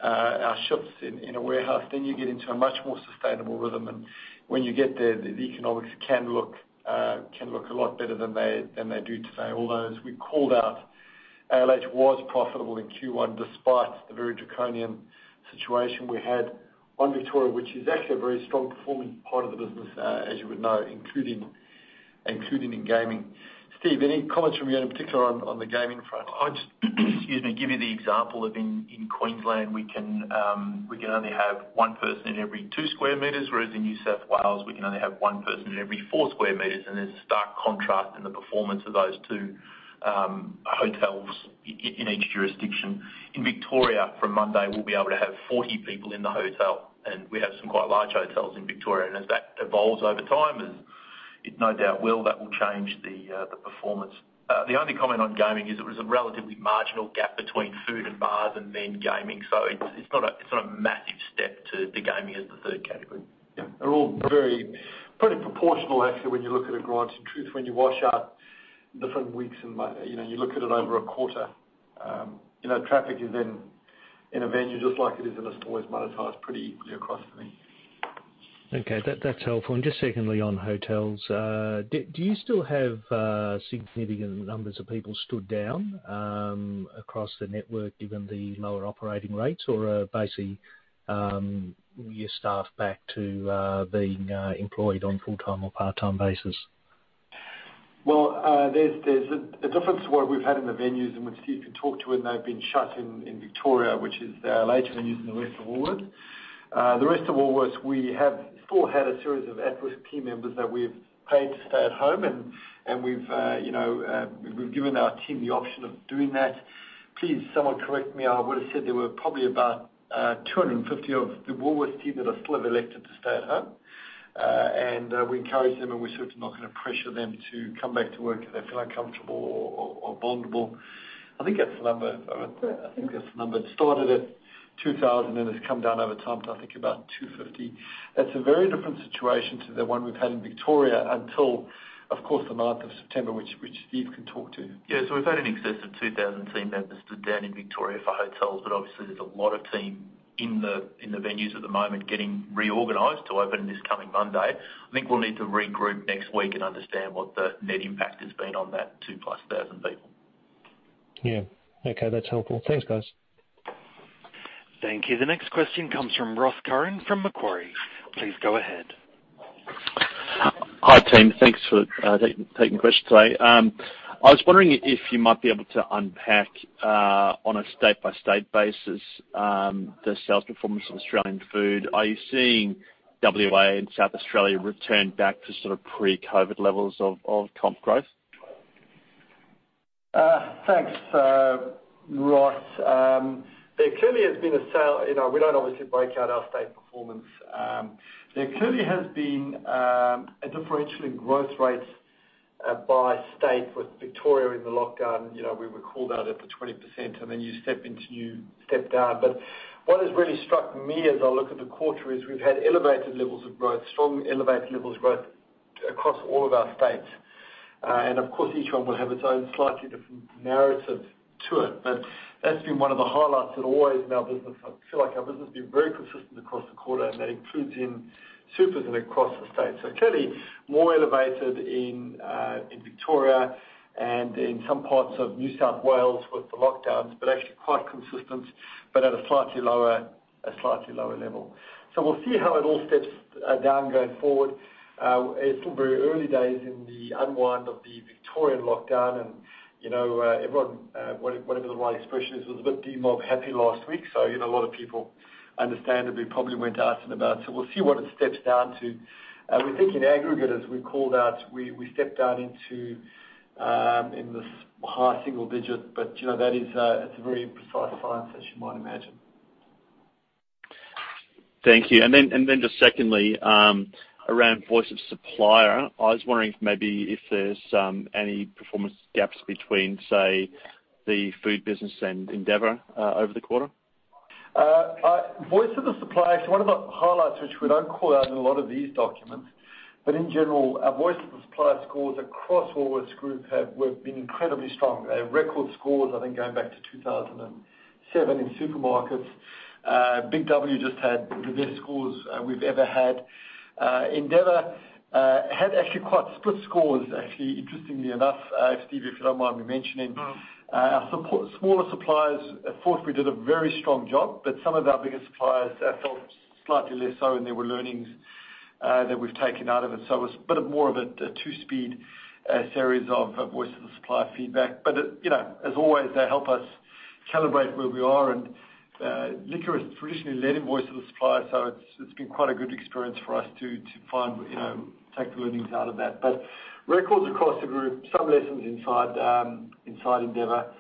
our shifts in a warehouse, then you get into a much more sustainable rhythm. And when you get there, the economics can look a lot better than they do today. Although, as we called out, ALH was profitable in Q1, despite the very draconian situation we had on Victoria, which is actually a very strong performing part of the business, as you would know, including in gaming. Steve, any comments from you in particular on the gaming front? I'd excuse me give you the example of in Queensland, we can only have one person in every two square meters, whereas in New South Wales, we can only have one person in every four square meters, and there's a stark contrast in the performance of those two hotels in each jurisdiction. In Victoria, from Monday, we'll be able to have 40 people in the hotel, and we have some quite large hotels in Victoria. As that evolves over time, as it no doubt will, that will change the performance. The only comment on gaming is it was a relatively marginal gap between food and bars and then gaming. So it's not a massive step to gaming as the third category. Yeah. They're all very pretty proportional actually, when you look at it, Grant, in truth, when you wash out different weeks and months, you know, you look at it over a quarter, you know, traffic is in a venue just like it is in a store, is monetized pretty equally across for me. Okay. That's helpful. And just secondly, on Hotels, do you still have significant numbers of people stood down across the network given the lower operating rates? Or are basically your staff back to being employed on full-time or part-time basis? There's a difference to what we've had in the venues, and which Steve can talk to, when they've been shut in Victoria, which is later than using the rest of Woolworths. The rest of Woolworths, we have still had a series of at-risk team members that we've paid to stay at home, and we've you know, we've given our team the option of doing that. Please, someone correct me. I would have said there were probably about 250 of the Woolworths team that have still elected to stay at home. And we encourage them, and we're certainly not gonna pressure them to come back to work if they feel uncomfortable or vulnerable. I think that's the number. I think that's the number. It started at 2,000, and it's come down over time to, I think, about 250. That's a very different situation to the one we've had in Victoria until, of course, the month of September, which Steve can talk to. Yes, so we've had in excess of 2000 team members stood down in Victoria for Hotels, but obviously there's a lot of team in the venues at the moment getting reorganized to open this coming Monday. I think we'll need to regroup next week and understand what the net impact has been on that 2000+ people. Yeah. Okay, that's helpful. Thanks, guys. Thank you. The next question comes from Ross Curran from Macquarie. Please go ahead. Hi, team. Thanks for taking questions today. I was wondering if you might be able to unpack, on a state-by-state basis, the sales performance of Australian Food. Are you seeing WA and South Australia return back to sort of pre-COVID levels of comp growth? Thanks, Ross. There clearly has been a sales, you know, we don't obviously break out our state performance. There clearly has been a differential in growth rates by state with Victoria in the lockdown. You know, we were called out at the 20%, and then you step into, you step down. But what has really struck me as I look at the quarter is we've had elevated levels of growth, strong elevated levels of growth across all of our states. And of course, each one will have its own slightly different narrative to it, but that's been one of the highlights that always in our business. I feel like our business has been very consistent across the quarter, and that includes in supers and across the state. So clearly, more elevated in Victoria and in some parts of New South Wales with the lockdowns, but actually quite consistent, but at a slightly lower, a slightly lower level. So we'll see how it all steps down going forward. It's still very early days in the unwind of the Victorian lockdown and, you know, everyone, whatever the right expression is, was a bit demob happy last week. So, you know, a lot of people understandably probably went out and about, so we'll see what it steps down to. We think in aggregate, as we called out, we, we stepped down into the high single digit, but, you know, that is a, it's a very imprecise science, as you might imagine. Thank you. And then just secondly, around voice of supplier, I was wondering if maybe if there's any performance gaps between, say, the food business and Endeavour, over the quarter? Voice of the Supplier, one of the highlights, which we don't call out in a lot of these documents, but in general, our Voice of the Supplier scores across Woolworths Group have been incredibly strong. They have record scores, I think, going back to 2007 in supermarkets. Big W just had the best scores we've ever had. Endeavour had actually quite split scores, actually, interestingly enough, Steve, if you don't mind me mentioning. Our support for smaller suppliers, I thought we did a very strong job, but some of our bigger suppliers felt slightly less so, and there were learnings that we've taken out of it. So it was a bit more of a two-speed series of Voice of the Supplier feedback. But, you know, as always, they help us calibrate where we are, and Liquor has traditionally led in Voice of the Supplier, so it's been quite a good experience for us to find, you know, take the learnings out of that. But records across the group, some lessons inside Endeavour,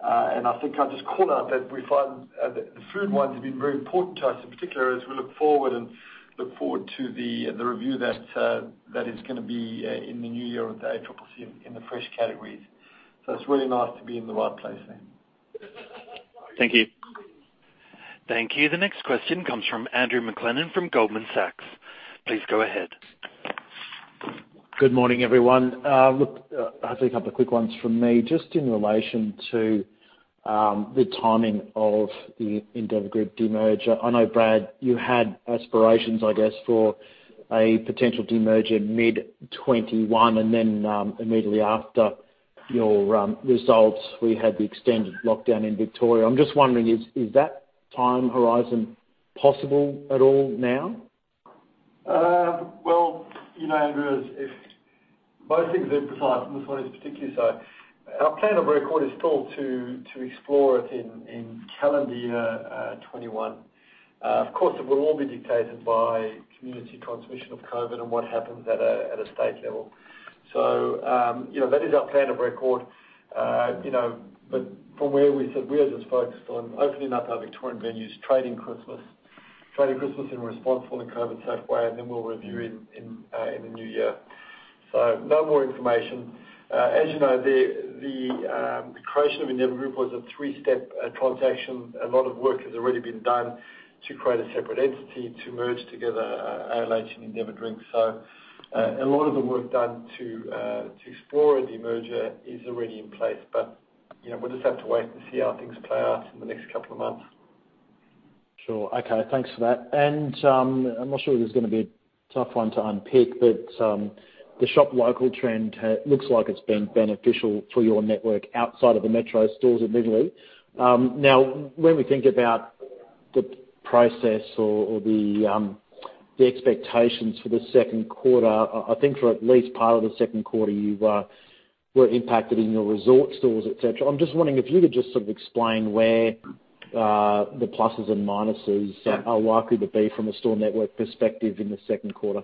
and I think I'll just call out that we find the food ones have been very important to us, in particular, as we look forward to the review that is gonna be in the new year with the ACCC in the fresh categories. So it's really nice to be in the right place there. Thank you. Thank you. The next question comes from Andrew McLennan from Goldman Sachs. Please go ahead. Good morning, everyone. Look, I have a couple of quick ones from me. Just in relation to the timing of the Endeavour Group demerger. I know, Brad, you had aspirations, I guess, for a potential demerger mid-2021, and then immediately after your results, we had the extended lockdown in Victoria. I'm just wondering, is that time horizon possible at all now? Well, you know, Andrew, as if most things are imprecise, and this one is particularly so. Our plan of record is still to explore it in calendar year 2021. Of course, it will all be dictated by community transmission of COVID and what happens at a state level. So, you know, that is our plan of record. You know, but from where we sit, we are just focused on opening up our Victorian venues, trading Christmas in a responsible and COVID-safe way, and then we'll review in the new year. So no more information. As you know, the creation of Endeavour Group was a three-step transaction. A lot of work has already been done to create a separate entity to merge together ALH and Endeavour Drinks. A lot of the work done to explore the demerger is already in place, but, you know, we'll just have to wait to see how things play out in the next couple of months. Sure. Okay, thanks for that. And, I'm not sure this is gonna be a tough one to unpick, but, the shop local trend looks like it's been beneficial for your network outside of the metro stores immediately. Now, when we think about the progress or, or the, the expectations for the second quarter, I think for at least part of the second quarter, you were impacted in your regional stores, et cetera. I'm just wondering if you could just sort of explain where the ± are likely to be from a store network perspective in the second quarter?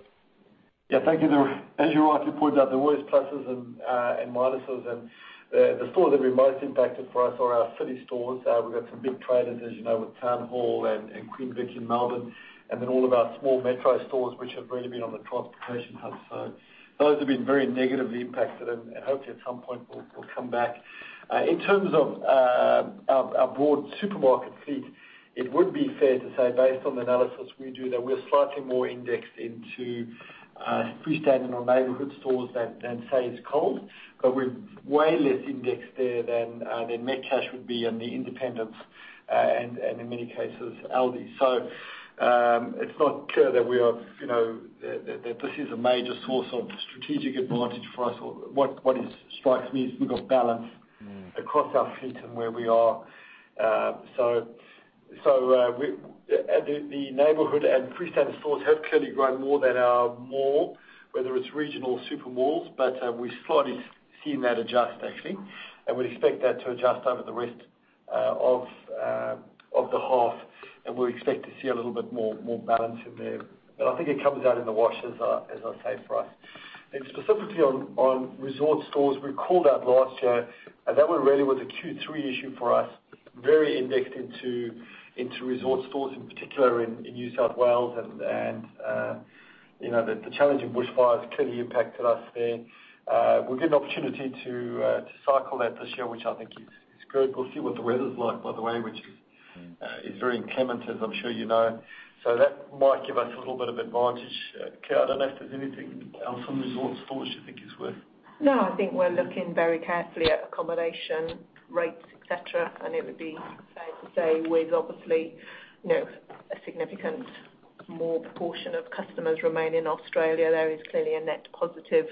Thank you. There, as you rightly pointed out, there are always ±, and the stores that we most impacted for us are our city stores. We've got some big traders, as you know, with Town Hall and, and Queen Vic in Melbourne, and then all of our small metro stores, which have really been on the transportation hubs. So those have been very negatively impacted, and hopefully, at some point will come back. In terms of our broad supermarket fleet, it would be fair to say, based on the analysis we do, that we're slightly more indexed into freestanding or neighborhood stores than, say, Coles. But we're way less indexed there than Metcash would be and the independents, and in many cases, Aldi. It's not clear that we are, you know, that this is a major source of strategic advantage for us or what strikes me is we've got balance across our fleet and where we are. So, the neighborhood and freestanding stores have clearly grown more than our mall, whether it's regional or super malls, but we're slightly seeing that adjust actually, and we expect that to adjust over the rest of the half, and we expect to see a little bit more balance in there. But I think it comes out in the wash, as I say, for us. And specifically on resort stores, we called out last year, and that one really was a Q3 issue for us, very indexed into resort stores, in particular in New South Wales. You know, the challenging bushfires clearly impacted us there. We'll get an opportunity to cycle that this year, which I think is good. We'll see what the weather's like, by the way, which is very inclement, as I'm sure you know. So that might give us a little bit of advantage. Claire, I don't know if there's anything else on the Metro stores you think is worth? No, I think we're looking very carefully at accommodation, rates, et cetera, and it would be safe to say with obviously, you know, a significant more proportion of customers remain in Australia, there is clearly a net positive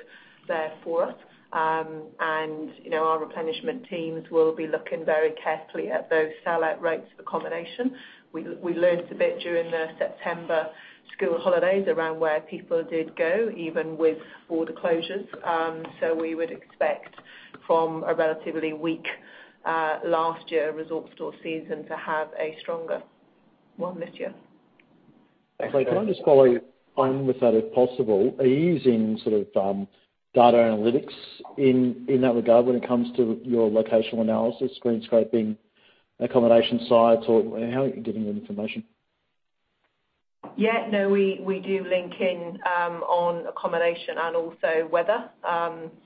there for us. And, you know, our replenishment teams will be looking very carefully at those sellout rates for accommodation. We learned a bit during the September school holidays around where people did go, even with all the closures. So we would expect from a relatively weak last year resort store season to have a stronger one this year. Thanks. Can I just follow on with that, if possible? Are you using sort of, data analytics in that regard when it comes to your locational analysis, screen scraping, accommodation sites, or how are you getting your information? Yeah, no, we do link in on accommodation and also weather.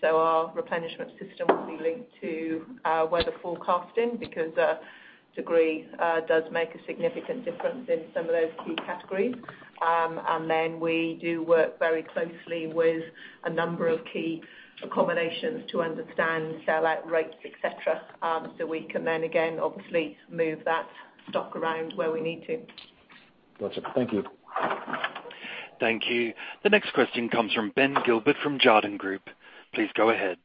So our replenishment system will be linked to weather forecasting, because degree does make a significant difference in some of those key categories. And then we do work very closely with a number of key accommodations to understand sellout rates, et cetera, so we can then again, obviously move that stock around where we need to. Gotcha. Thank you. Thank you. The next question comes from Ben Gilbert from Jarden Group. Please go ahead.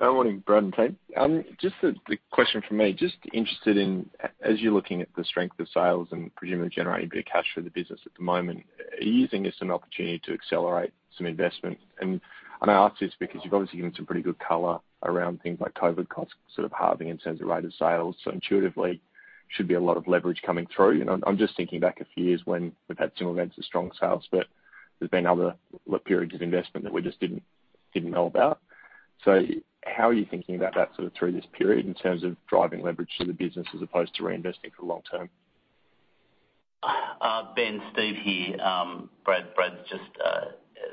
Morning, Brad and team. Just a question from me. Just interested in, as you're looking at the strength of sales and presumably generating good cash for the business at the moment, are you using this an opportunity to accelerate some investment? And I ask this because you've obviously given some pretty good color around things like COVID costs, sort of halving in terms of rate of sales. So intuitively, should be a lot of leverage coming through. You know, I'm just thinking back a few years when we've had similar rates of strong sales, but there's been other periods of investment that we just didn't know about. So how are you thinking about that sort of through this period in terms of driving leverage to the business as opposed to reinvesting for the long term? Ben, Steve here. Brad, Brad's just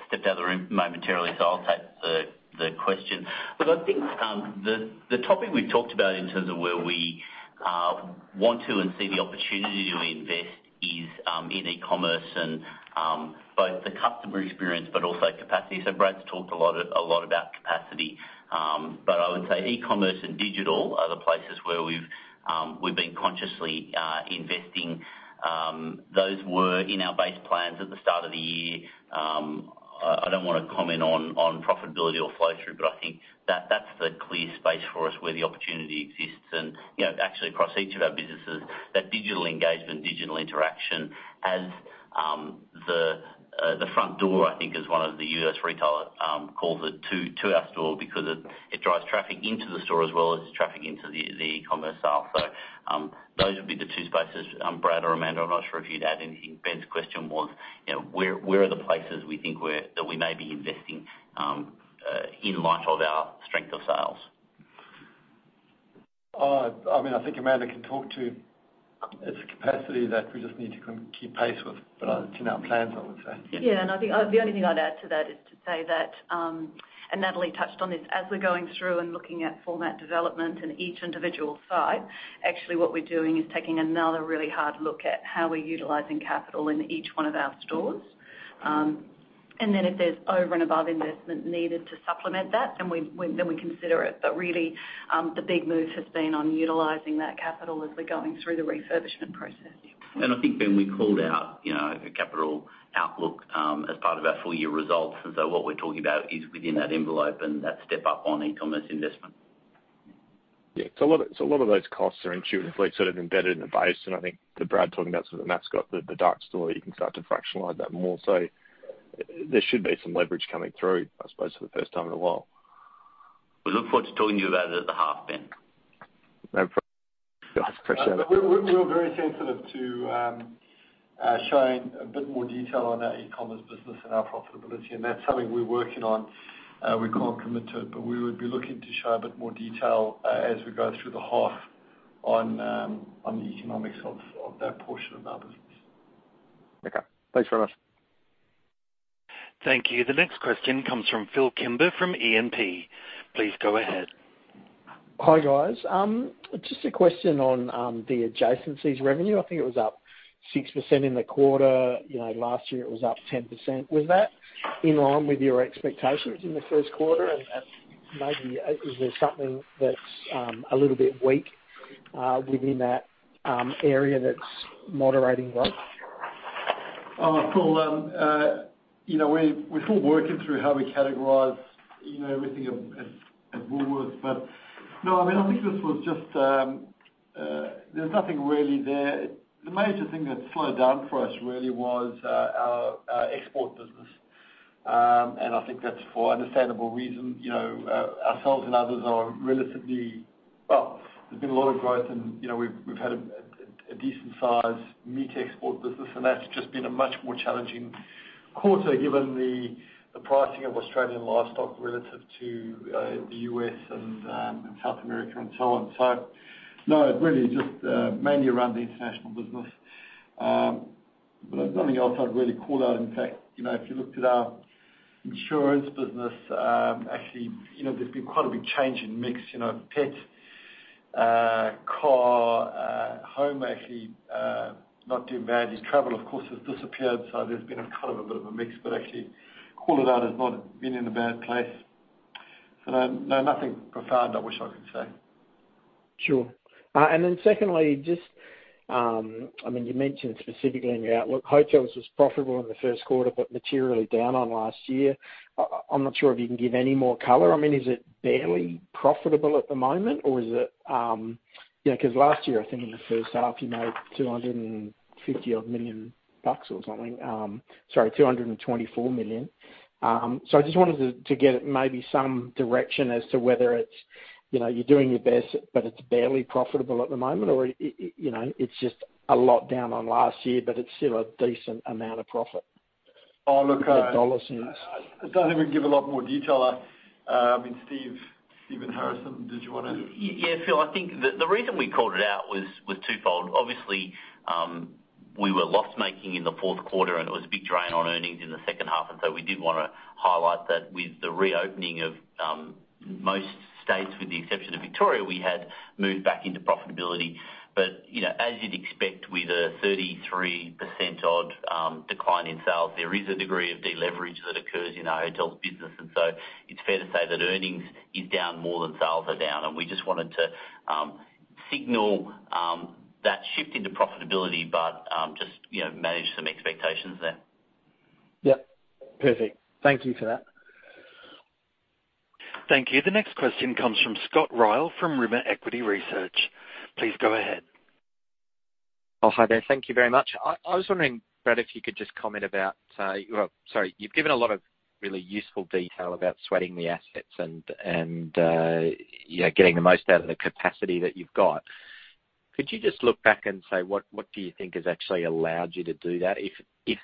stepped out of the room momentarily, so I'll take the question. Look, I think the topic we've talked about in terms of where we want to and see the opportunity to invest is in e-commerce and both the customer experience but also capacity. So Brad's talked a lot about capacity. But I would say e-commerce and digital are the places where we've been consciously investing. Those were in our base plans at the start of the year. I don't want to comment on profitability or flow through, but I think that's the clear space for us where the opportunity exists. You know, actually across each of our businesses, that digital engagement, digital interaction as the front door, I think, is what the U.S. retailer calls it to our store, because it drives traffic into the store as well as traffic into the e-commerce side. Those would be the two spaces. Brad or Amanda, I'm not sure if you'd add anything. Ben's question was, you know, where are the places we think that we may be investing in light of our strength of sales? I mean, I think Amanda can talk to it's a capacity that we just need to kind of keep pace with, but it's in our plans, I would say. Yeah, and I think, the only thing I'd add to that is to say that, and Natalie touched on this, as we're going through and looking at format development in each individual site, actually what we're doing is taking another really hard look at how we're utilizing capital in each one of our stores. And then if there's over and above investment needed to supplement that, then we consider it. But really, the big move has been on utilizing that capital as we're going through the refurbishment process. And I think, Ben, we called out, you know, a capital outlook, as part of our full year results. And so what we're talking about is within that envelope and that step up on e-commerce investment. Yeah, so a lot of those costs are intuitively sort of embedded in the base. And I think, too, Brad talking about sort of Mascot, the dark store, you can start to fractionalize that more. So there should be some leverage coming through, I suppose, for the first time in a while? We look forward to telling you about it at the half, then. We're very sensitive to showing a bit more detail on our e-commerce business and our profitability, and that's something we're working on. We can't commit to it, but we would be looking to show a bit more detail as we go through the half on the economics of that portion of our business. Okay. Thanks very much. Thank you. The next question comes from Phil Kimber, from E&P. Please go ahead. Hi, guys. Just a question on the adjacencies revenue. I think it was up 6% in the quarter. You know, last year, it was up 10%. Was that in line with your expectations in the first quarter? And maybe, is there something that's a little bit weak within that area that's moderating growth? Phil, you know, we're still working through how we categorize, you know, everything at Woolworths. But no, there's nothing really there. The major thing that slowed down for us really was our export business. And I think that's for understandable reason. You know, ourselves and others are relatively. Well, there's been a lot of growth, and, you know, we've had a decent size meat export business, and that's just been a much more challenging quarter, given the pricing of Australian livestock relative to the US and South America and so on. So, no, really just mainly around the international business. But there's nothing else I'd really call out. In fact, you know, if you looked at our insurance business, actually, you know, there's been quite a big change in mix. You know, pet, car, home, actually, not doing badly. Travel, of course, has disappeared, so there's been a kind of a bit of a mix, but actually, call it out as not been in a bad place. So no, no, nothing profound I wish I could say. Sure. And then secondly, just, I mean, you mentioned specifically in your outlook, Hotels was profitable in the first quarter, but materially down on last year. I'm not sure if you can give any more color. I mean, is it barely profitable at the moment 'cause last year, I think in the first half, you made 250-odd million bucks or something. Sorry, 224 million. So I just wanted to get maybe some direction as to whether it's, you know, you're doing your best, but it's barely profitable at the moment, or it, you know, it's just a lot down on last year, but it's still a decent amount of profit. In dollar terms. I don't think we can give a lot more detail. I mean, Steve, Stephen Harrison, did you wanna? Yeah, Phil, I think the reason we called it out was twofold. Obviously, we were loss-making in the fourth quarter, and it was a big drain on earnings in the second half, and so we did wanna highlight that with the reopening of most states, with the exception of Victoria, we had moved back into profitability. But, you know, as you'd expect with a 33% odd decline in sales, there is a degree of deleverage that occurs in our Hotels business. And so it's fair to say that earnings is down more than sales are down, and we just wanted to signal that shift into profitability, but just, you know, manage some expectations there. Yep. Perfect. Thank you for that. Thank you. The next question comes from Scott Ryall, from Rimor Equity Research. Please go ahead. Oh, hi there. Thank you very much. I was wondering, Brad, if you could just comment about, sorry, you've given a lot of really useful detail about sweating the assets and yeah, getting the most out of the capacity that you've got. Could you just look back and say, what do you think has actually allowed you to do that? If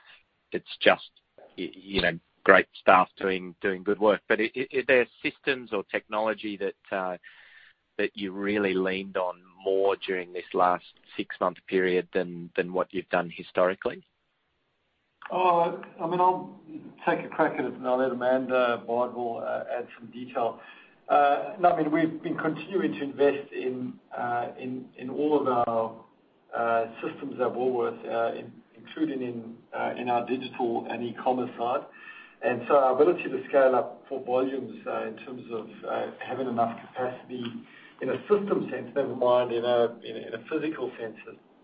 it's just, you know, great staff doing good work. But are there systems or technology that you really leaned on more during this last six-month period than what you've done historically? I mean, I'll take a crack at it, and I'll let Amanda Bardwell add some detail. No, I mean, we've been continuing to invest in all of our systems at Woolworths, including in our digital and e-commerce side. Our ability to scale up for volumes in terms of having enough capacity in a system sense, never mind in a physical sense,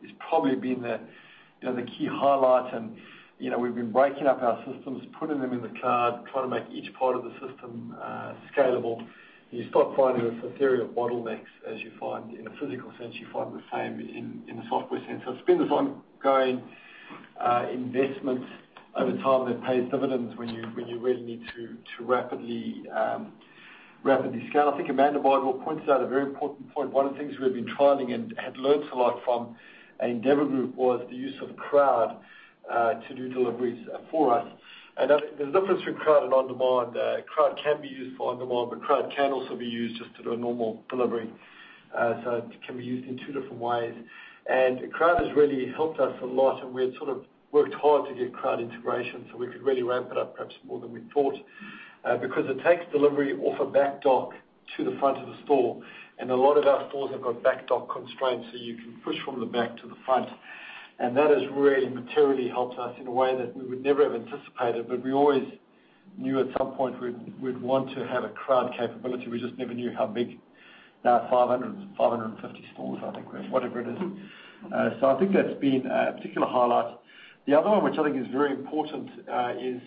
has probably been the key highlight. You know, we've been breaking up our systems, putting them in the cloud, trying to make each part of the system scalable. You stop finding a series of bottlenecks, as you find in a physical sense; you find the same in the software sense. So it's been this ongoing investment over time that pays dividends when you really need to rapidly scale. I think Amanda Bardwell pointed out a very important point. One of the things we've been trialing and had learned a lot from Endeavour Group was the use of crowd to do deliveries for us. And there's a difference between crowd and on-demand. Crowd can be used for on-demand, but crowd can also be used just to do a normal delivery. So it can be used in two different ways. And crowd has really helped us a lot, and we had sort of worked hard to get crowd integration, so we could really ramp it up, perhaps more than we thought. Because it takes delivery off a back dock to the front of the store, and a lot of our stores have got back dock constraints, so you can push from the back to the front, and that has really materially helped us in a way that we would never have anticipated, but we always knew at some point we'd want to have a crowd capability. We just never knew how big. Now 550 stores, I think, whatever it is. So I think that's been a particular highlight. The other one, which I think is very important, is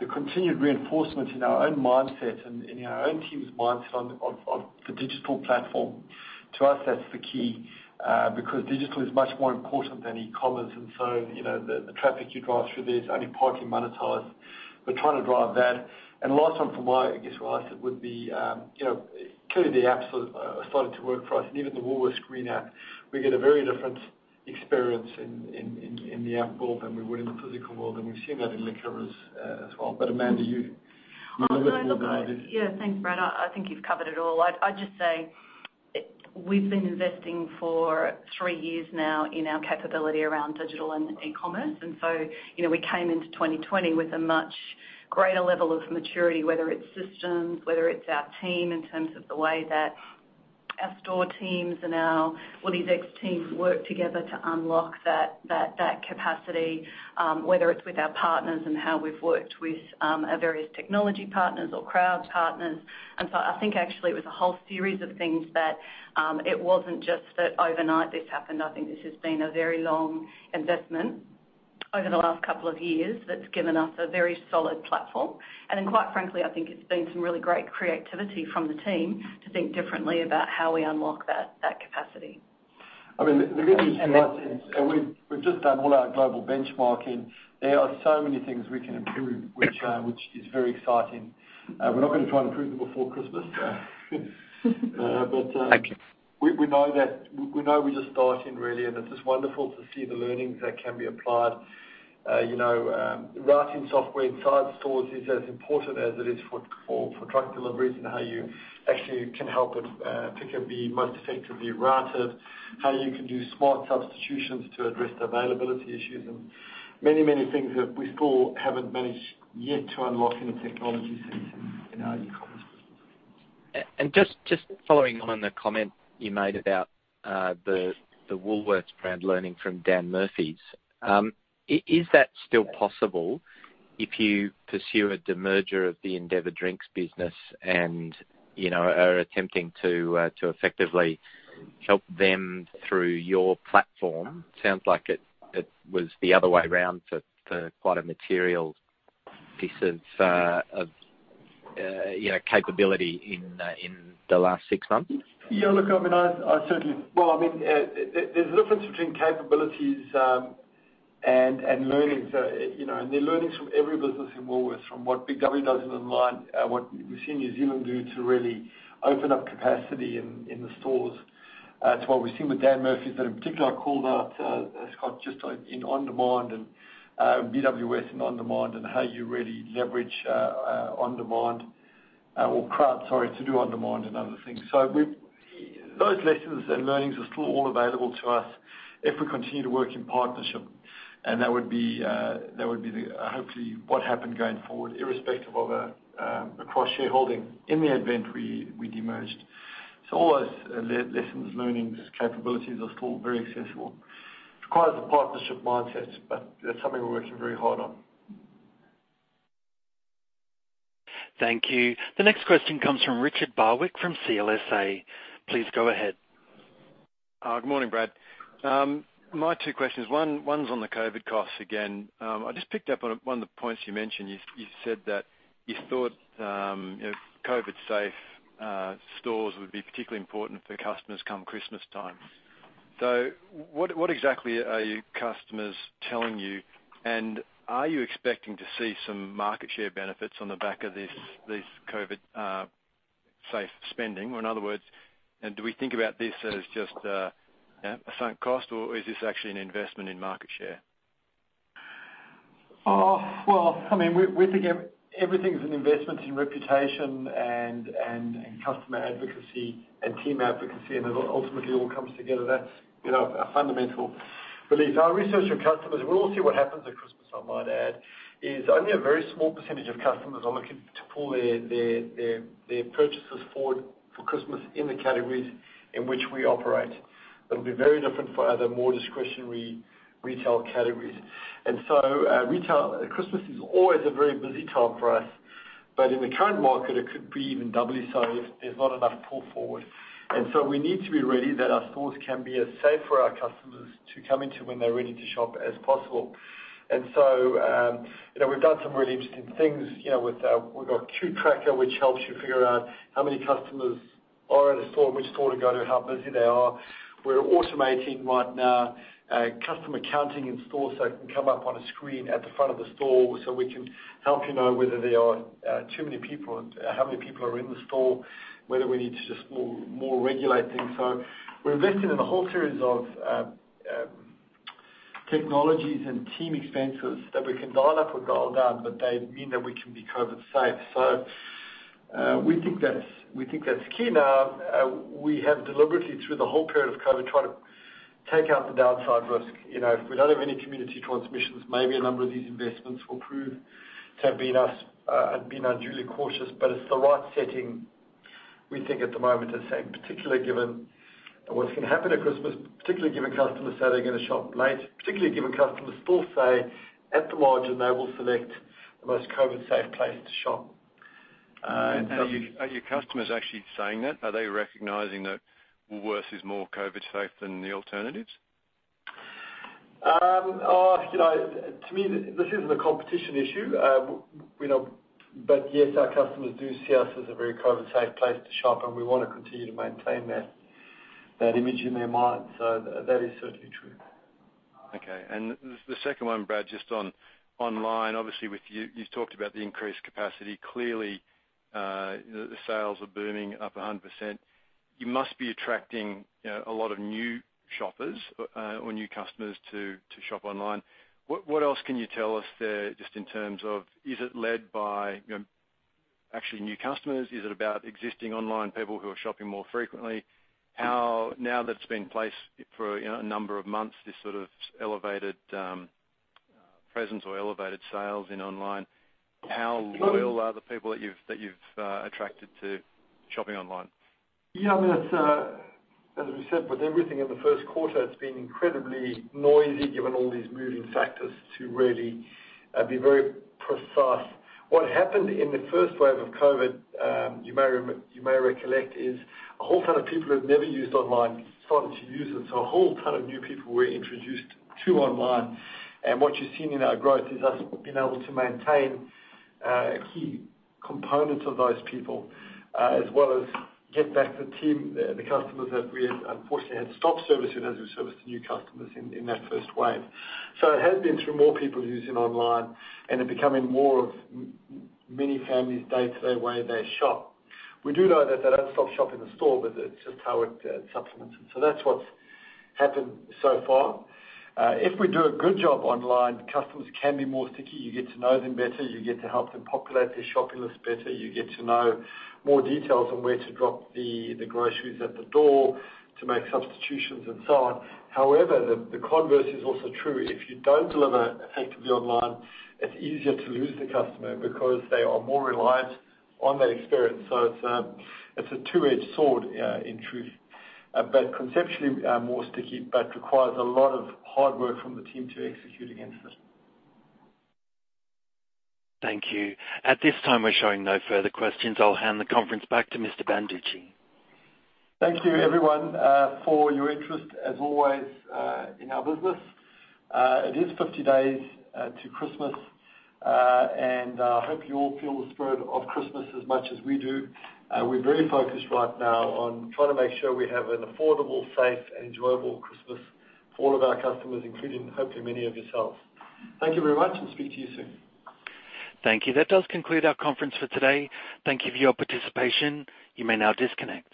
the continued reinforcement in our own mindset and in our own team's mindset on the digital platform. To us, that's the key, because digital is much more important than e-commerce. And so, you know, the traffic you drive through this only partly monetized. We're trying to drive that. And last one from my, I guess, where I sit, would be, you know, clearly the apps are starting to work for us, and even the Woolworths green app, we get a very different experience in the app world than we would in the physical world, and we've seen that in liquor as well. But Amanda. Thanks, Brad. I think you've covered it all. I'd just say we've been investing for three years now in our capability around digital and e-commerce. And so, you know, we came into 2020 with a much greater level of maturity, whether it's systems, whether it's our team, in terms of the way that our store teams and our WooliesX teams work together to unlock that capacity, whether it's with our partners and how we've worked with our various technology partners or crowd partners. And so I think actually it was a whole series of things that it wasn't just that overnight this happened. I think this has been a very long investment over the last couple of years that's given us a very solid platform. Quite frankly, I think it's been some really great creativity from the team to think differently about how we unlock that capacity. I mean, the good news is, and we've just done all our global benchmarking. There are so many things we can improve, which is very exciting. We're not gonna try and improve them before Christmas, but Thank you. We know we're just starting, really, and it's just wonderful to see the learnings that can be applied. You know, routing software inside stores is as important as it is for truck deliveries and how you actually can help it pick up be most effectively routed, how you can do smart substitutions to address the availability issues and many, many things that we still haven't managed yet to unlock in the technology sense in our e-commerce. Just following on the comment you made about the Woolworths brand learning from Dan Murphy's. Is that still possible if you pursue a demerger of the Endeavour Drinks business and, you know, are attempting to effectively help them through your platform? Sounds like it was the other way around for quite a material piece of, you know, capability in the last six months. Well, I mean, there's a difference between capabilities and learnings, you know, and the learnings from every business in Woolworths, from what Big W does in online, what we've seen New Zealand do to really open up capacity in the stores. To what we've seen with Dan Murphy's, that in particular, I called out, Scott, just in on-demand and BWS and on-demand and how you really leverage on-demand, or crowd, sorry, to do on-demand and other things. So those lessons and learnings are still all available to us if we continue to work in partnership, and that would be, that would be the hopefully what happened going forward, irrespective of across shareholding in the event we demerged. All those lessons, learnings, capabilities are still very accessible. Requires a partnership mindset, but that's something we're working very hard on. Thank you. The next question comes from Richard Barwick, from CLSA. Please go ahead. Good morning, Brad. My two questions, one, one's on the COVID costs again. I just picked up on one of the points you mentioned. You said that you thought you know COVID-safe stores would be particularly important for customers come Christmas time. So what exactly are your customers telling you? And are you expecting to see some market share benefits on the back of this COVID-safe spending? Or in other words, do we think about this as just you know a sunk cost, or is this actually an investment in market share? Well, I mean, we think everything is an investment in reputation and customer advocacy and team advocacy, and it ultimately all comes together. That's, you know, a fundamental belief. Our research from customers, and we'll see what happens at Christmas, I might add, is only a very small percentage of customers are looking to pull their purchases forward for Christmas in the categories in which we operate. It'll be very different for other more discretionary retail categories. Christmas is always a very busy time for us, but in the current market, it could be even doubly so if there's not enough pull forward, so we need to be ready that our stores can be as safe for our customers to come into when they're ready to shop, as possible. And so, you know, we've done some really interesting things, you know, with our. We've got Q-Tracker, which helps you figure out how many customers are in a store and which store to go to, how busy they are. We're automating right now, customer counting in stores, so it can come up on a screen at the front of the store, so we can help you know whether there are, too many people and how many people are in the store, whether we need to just more regulate things. So we're investing in a whole series of, technologies and team expenses that we can dial up or dial down, but they mean that we can be COVID safe. So, we think that's key. Now, we have deliberately, through the whole period of COVID, tried to take out the downside risk. You know, if we don't have any community transmissions, maybe a number of these investments will prove to have been us, been unduly cautious, but it's the right setting, we think, at the moment to say, particularly given what's going to happen at Christmas, particularly given customers say they're going to shop late, particularly given customers still say, at the margin, they will select the most COVID-safe place to shop. Are your customers actually saying that? Are they recognizing that Woolworths is more COVID safe than the alternatives? To me, this isn't a competition issue. We know, but yes, our customers do see us as a very COVID-safe place to shop, and we want to continue to maintain that image in their mind. So that is certainly true. Okay. And the second one, Brad, just on online, obviously, with you- you've talked about the increased capacity. Clearly, the sales are booming up 100%. You must be attracting a lot of new shoppers or new customers to shop online. What else can you tell us there, just in terms of is it led by, you know, actually new customers? Is it about existing online people who are shopping more frequently? How now that it's been in place for, you know, a number of months, this sort of elevated presence or elevated sales in online, how loyal are the people that you've attracted to shopping online? Yeah, I mean, it's, as we said, with everything in the first quarter, it's been incredibly noisy, given all these moving factors, to really be very precise. What happened in the first wave of COVID, you may recollect, is a whole ton of people who have never used online started to use it. So a whole ton of new people were introduced to online, and what you're seeing in our growth is us being able to maintain key components of those people, as well as get back the team, the customers that we had unfortunately had stopped servicing as we serviced new customers in that first wave. So it has been through more people using online and it becoming more of many families' day-to-day way they shop. We do know that they don't stop shopping in store, but it's just how it supplements it. So that's what's happened so far. If we do a good job online, customers can be more sticky. You get to know them better, you get to help them populate their shopping list better, you get to know more details on where to drop the groceries at the door, to make substitutions, and so on. However, the converse is also true. If you don't deliver effectively online, it's easier to lose the customer because they are more reliant on that experience. So it's a two-edged sword, in truth. But conceptually, more sticky, but requires a lot of hard work from the team to execute against it. Thank you. At this time, we're showing no further questions. I'll hand the conference back to Mr. Banducci. Thank you, everyone, for your interest, as always, in our business. It is 50 days to Christmas, and I hope you all feel the spirit of Christmas as much as we do. We're very focused right now on trying to make sure we have an affordable, safe, and enjoyable Christmas for all of our customers, including hopefully many of yourselves. Thank you very much, and speak to you soon. Thank you. That does conclude our conference for today. Thank you for your participation. You may now disconnect.